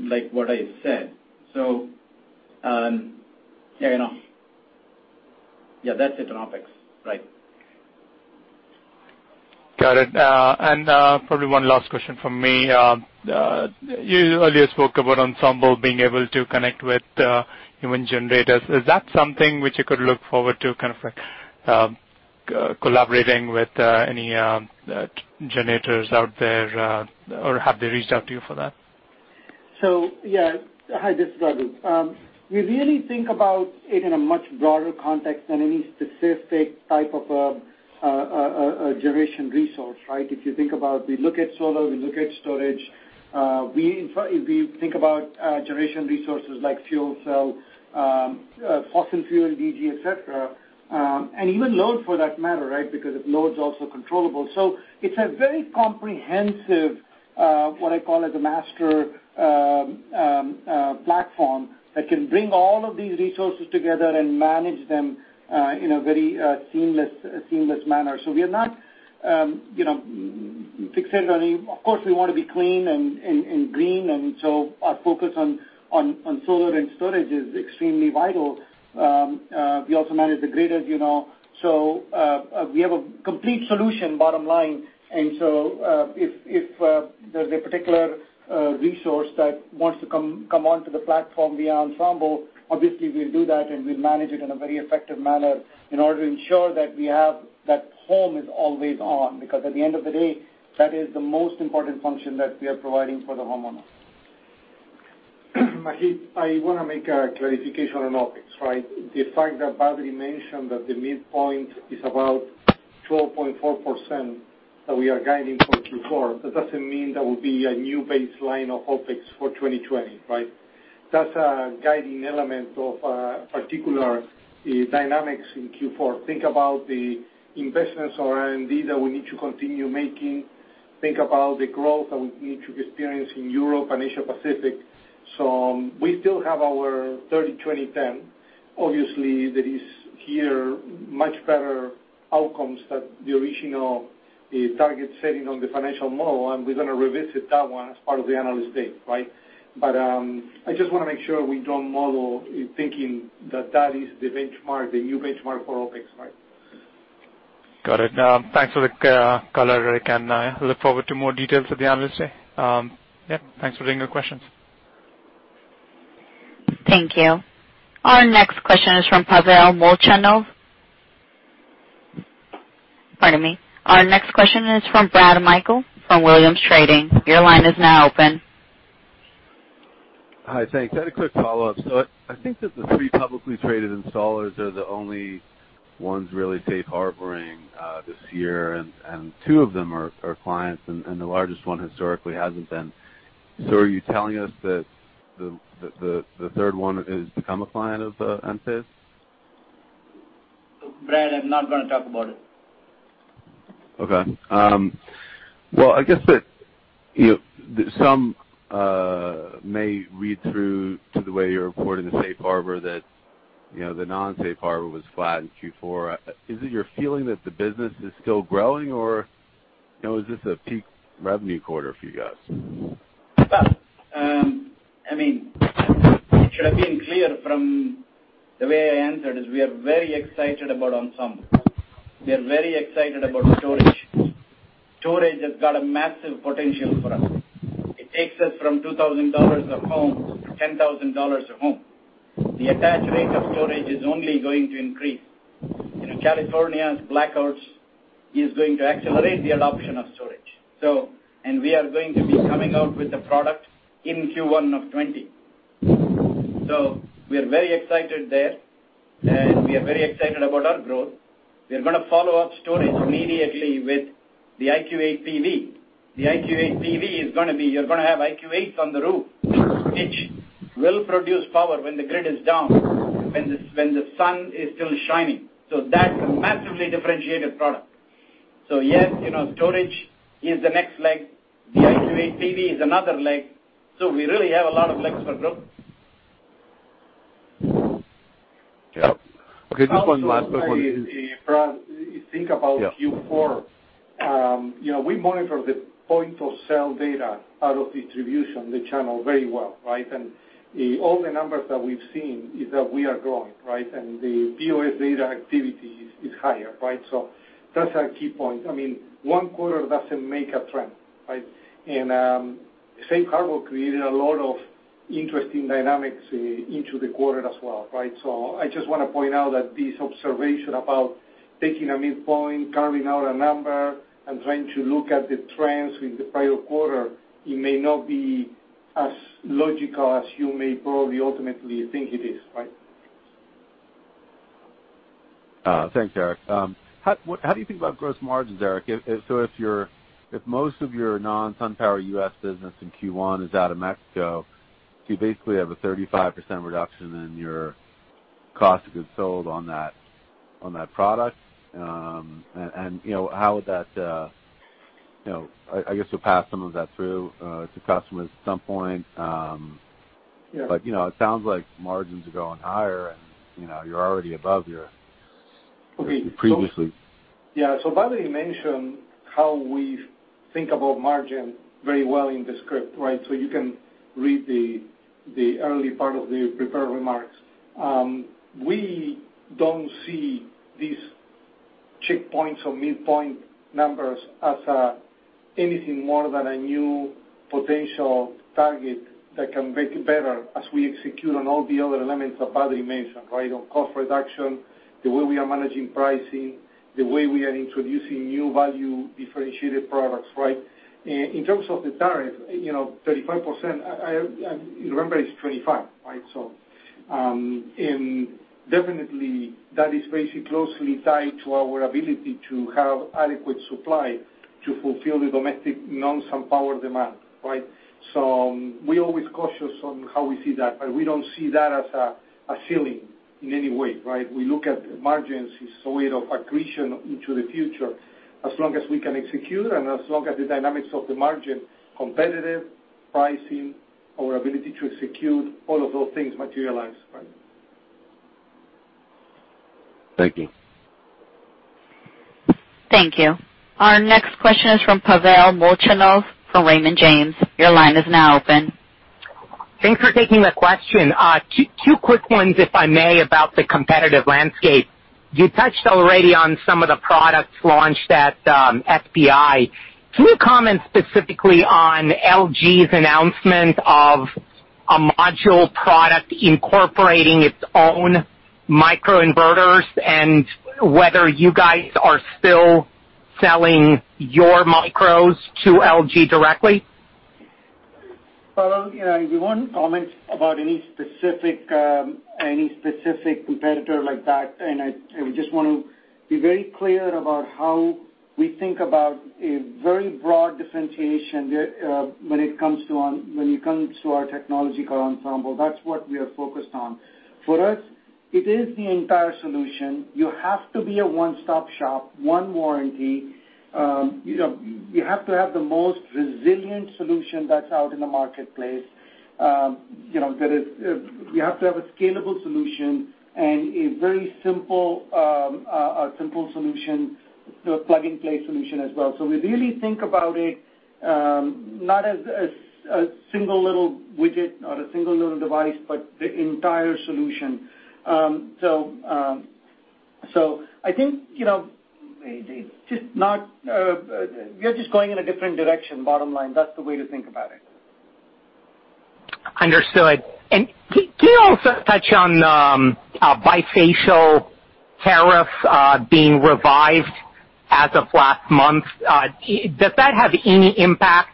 like what I said. That's it on OpEx. Right. Got it. Probably one last question from me. You earlier spoke about Ensemble being able to connect with home generators. Is that something which you could look forward to kind of collaborating with any generators out there or have they reached out to you for that? Yeah. Hi, this is Raghu. We really think about it in a much broader context than any specific type of a generation resource, right? If you think about, we look at solar, we look at storage. We think about generation resources like fuel cell, fossil fuel, DG, et cetera, and even load for that matter, right? Because load's also controllable. It's a very comprehensive, what I call it, a master platform that can bring all of these resources together and manage them in a very seamless manner. We are not fixated on any. Of course, we want to be clean and green, and so our focus on solar and storage is extremely vital. We also manage the grid, as you know. We have a complete solution, bottom line. If there's a particular resource that wants to come onto the platform via Ensemble, obviously we'll do that, and we'll manage it in a very effective manner in order to ensure that home is always on. Because at the end of the day, that is the most important function that we are providing for the homeowner. Maheep, I want to make a clarification on OpEx, right? The fact that Raghu mentioned that the midpoint is about 12.4% that we are guiding for Q4, that doesn't mean there will be a new baseline of OpEx for 2020, right? That's a guiding element of particular dynamics in Q4. Think about the investments or R&D that we need to continue making. Think about the growth that we need to experience in Europe and Asia Pacific. We still have our 30-20-10. Obviously, there is here much better outcomes than the original target setting on the financial model, and we're going to revisit that one as part of the analyst day, right? I just want to make sure we don't model thinking that that is the benchmark, the new benchmark for OpEx, right? Got it. Thanks for the color, Eric, and I look forward to more details at the analyst day. Yep. Thanks for bringing your questions. Thank you. Our next question is from Pavel Molchanov. Pardon me. Our next question is from Brad Meikle from Williams Trading. Your line is now open. Hi, thanks. I had a quick follow-up. I think that the three publicly traded installers are the only ones really safe harboring this year, and two of them are clients, and the largest one historically hasn't been. Are you telling us that the third one has become a client of Enphase? Brad, I'm not going to talk about it. Okay. Well, I guess that some may read through to the way you're reporting the safe harbor that the non-safe harbor was flat in Q4. Is it your feeling that the business is still growing or is this a peak revenue quarter for you guys? Well, it should have been clear from the way I answered, is we are very excited about Ensemble. We are very excited about storage. Storage has got a massive potential for us. It takes us from $2,000 a home to $10,000 a home. The attach rate of storage is only going to increase. California's blackouts is going to accelerate the adoption of storage. We are going to be coming out with the product in Q1 of 2020. We are very excited there, and we are very excited about our growth. We're going to follow up storage immediately with the IQ 8-PV. The IQ 8-PV is going to be, you're going to have IQ8s on the roof, which will produce power when the grid is down, when the sun is still shining. That's a massively differentiated product. Yes, storage is the next leg. The IQ 8-PV is another leg. We really have a lot of legs for growth. Yep. Okay, just one last quick one. Also, Brad, think about Q4. Yeah. We monitor the point of sale data out of distribution, the channel very well, right? All the numbers that we've seen is that we are growing, right? The POS data activity is higher, right? That's a key point. One quarter doesn't make a trend, right? Safe Harbor created a lot of interesting dynamics into the quarter as well, right? I just want to point out that this observation about taking a midpoint, carving out a number, and trying to look at the trends with the prior quarter, it may not be as logical as you may probably ultimately think it is, right? Thanks, Eric. How do you think about gross margins, Eric? If most of your non-SunPower U.S. business in Q1 is out of Mexico, you basically have a 35% reduction in your cost of goods sold on that product. I guess you'll pass some of that through to customers at some point. Yeah. It sounds like margins are going higher and, you're already above your. Okay. -previously. Yeah. Badri mentioned how we think about margin very well in the script. You can read the early part of the prepared remarks. We don't see these checkpoints or midpoint numbers as anything more than a new potential target that can make it better as we execute on all the other elements that Badri mentioned. On cost reduction, the way we are managing pricing, the way we are introducing new value differentiated products. In terms of the tariff, 35%, remember, it's 25%. Definitely that is very closely tied to our ability to have adequate supply to fulfill the domestic non-SunPower demand. We're always cautious on how we see that, but we don't see that as a ceiling in any way. We look at margins as a way of accretion into the future, as long as we can execute and as long as the dynamics of the margin, competitive pricing, our ability to execute, all of those things materialize, right? Thank you. Thank you. Our next question is from Pavel Molchanov from Raymond James. Your line is now open. Thanks for taking the question. Two quick ones, if I may, about the competitive landscape. You touched already on some of the products launched at SPI. Can you comment specifically on LG's announcement of a module product incorporating its own microinverters and whether you guys are still selling your micros to LG directly? Pavel, we won't comment about any specific competitor like that. I would just want to be very clear about how we think about a very broad differentiation when it comes to our technological Ensemble. That's what we are focused on. For us, it is the entire solution. You have to be a one-stop shop, one warranty. You have to have the most resilient solution that's out in the marketplace. You have to have a scalable solution and a very simple solution, a plug-and-play solution as well. We really think about it, not as a single little widget or a single little device, but the entire solution. I think we are just going in a different direction, bottom line. That's the way to think about it. Understood. Can you also touch on bifacial tariffs being revived as of last month? Does that have any impact,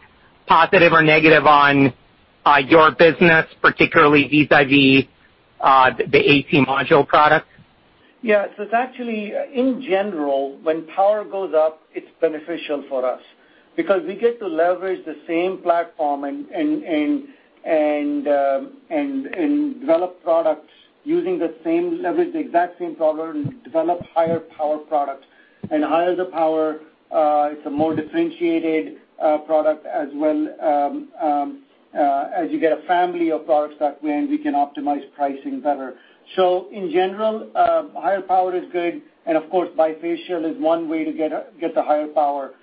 positive or negative, on your business, particularly vis-a-vis the AC module products? Yeah. It's actually, in general, when power goes up, it's beneficial for us because we get to leverage the same platform and develop products using the same leverage, the exact same platform, develop higher power products. Higher the power, it's a more differentiated product as well, as you get a family of products that way and we can optimize pricing better. In general, higher power is good, and of course, bifacial is one way to get the higher power.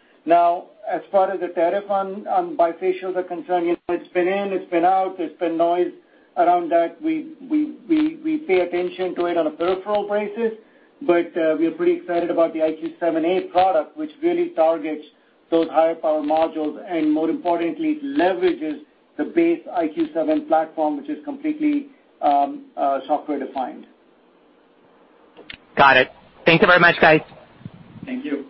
As far as the tariff on bifacials are concerned, it's been in, it's been out, there's been noise around that. We pay attention to it on a peripheral basis, but we are pretty excited about the IQ 7A product, which really targets those higher power modules, and more importantly, it leverages the base IQ7 platform, which is completely software defined. Got it. Thank you very much, guys. Thank you.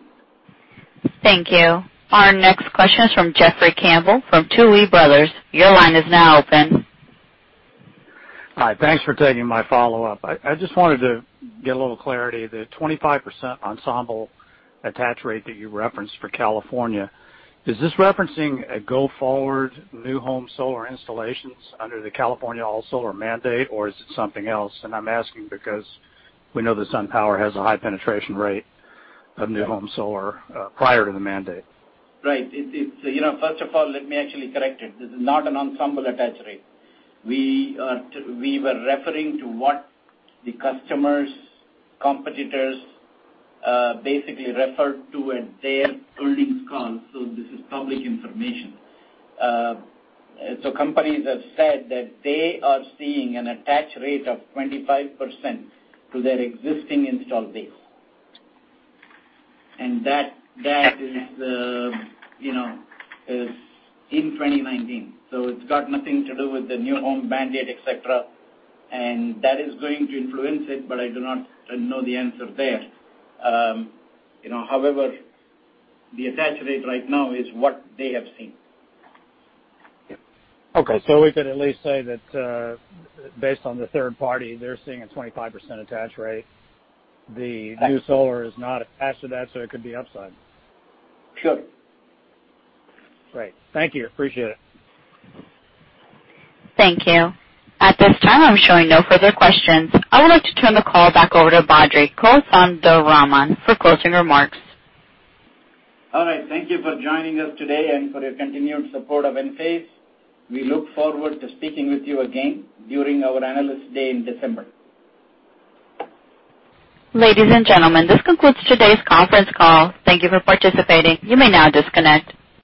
Thank you. Our next question is from Jeffrey Campbell from Tuohy Brothers. Your line is now open. Hi. Thanks for taking my follow-up. I just wanted to get a little clarity. The 25% Ensemble attach rate that you referenced for California, is this referencing a go-forward new home solar installations under the California All Solar mandate, or is it something else? I'm asking because we know that SunPower has a high penetration rate of new home solar prior to the mandate. Right. First of all, let me actually correct it. This is not an Ensemble attach rate. We were referring to what the customers, competitors basically referred to at their earnings call. This is public information. Companies have said that they are seeing an attach rate of 25% to their existing install base. That is in 2019. It's got nothing to do with the new home mandate, et cetera, and that is going to influence it, but I do not know the answer there. However, the attach rate right now is what they have seen. Okay. We could at least say that, based on the third party, they're seeing a 25% attach rate. The new solar is not attached to that, so it could be upside. Sure. Great. Thank you. Appreciate it. Thank you. At this time, I'm showing no further questions. I would like to turn the call back over to Badri Kothandaraman for closing remarks. All right. Thank you for joining us today and for your continued support of Enphase. We look forward to speaking with you again during our Analyst Day in December. Ladies and gentlemen, this concludes today's conference call. Thank you for participating. You may now disconnect.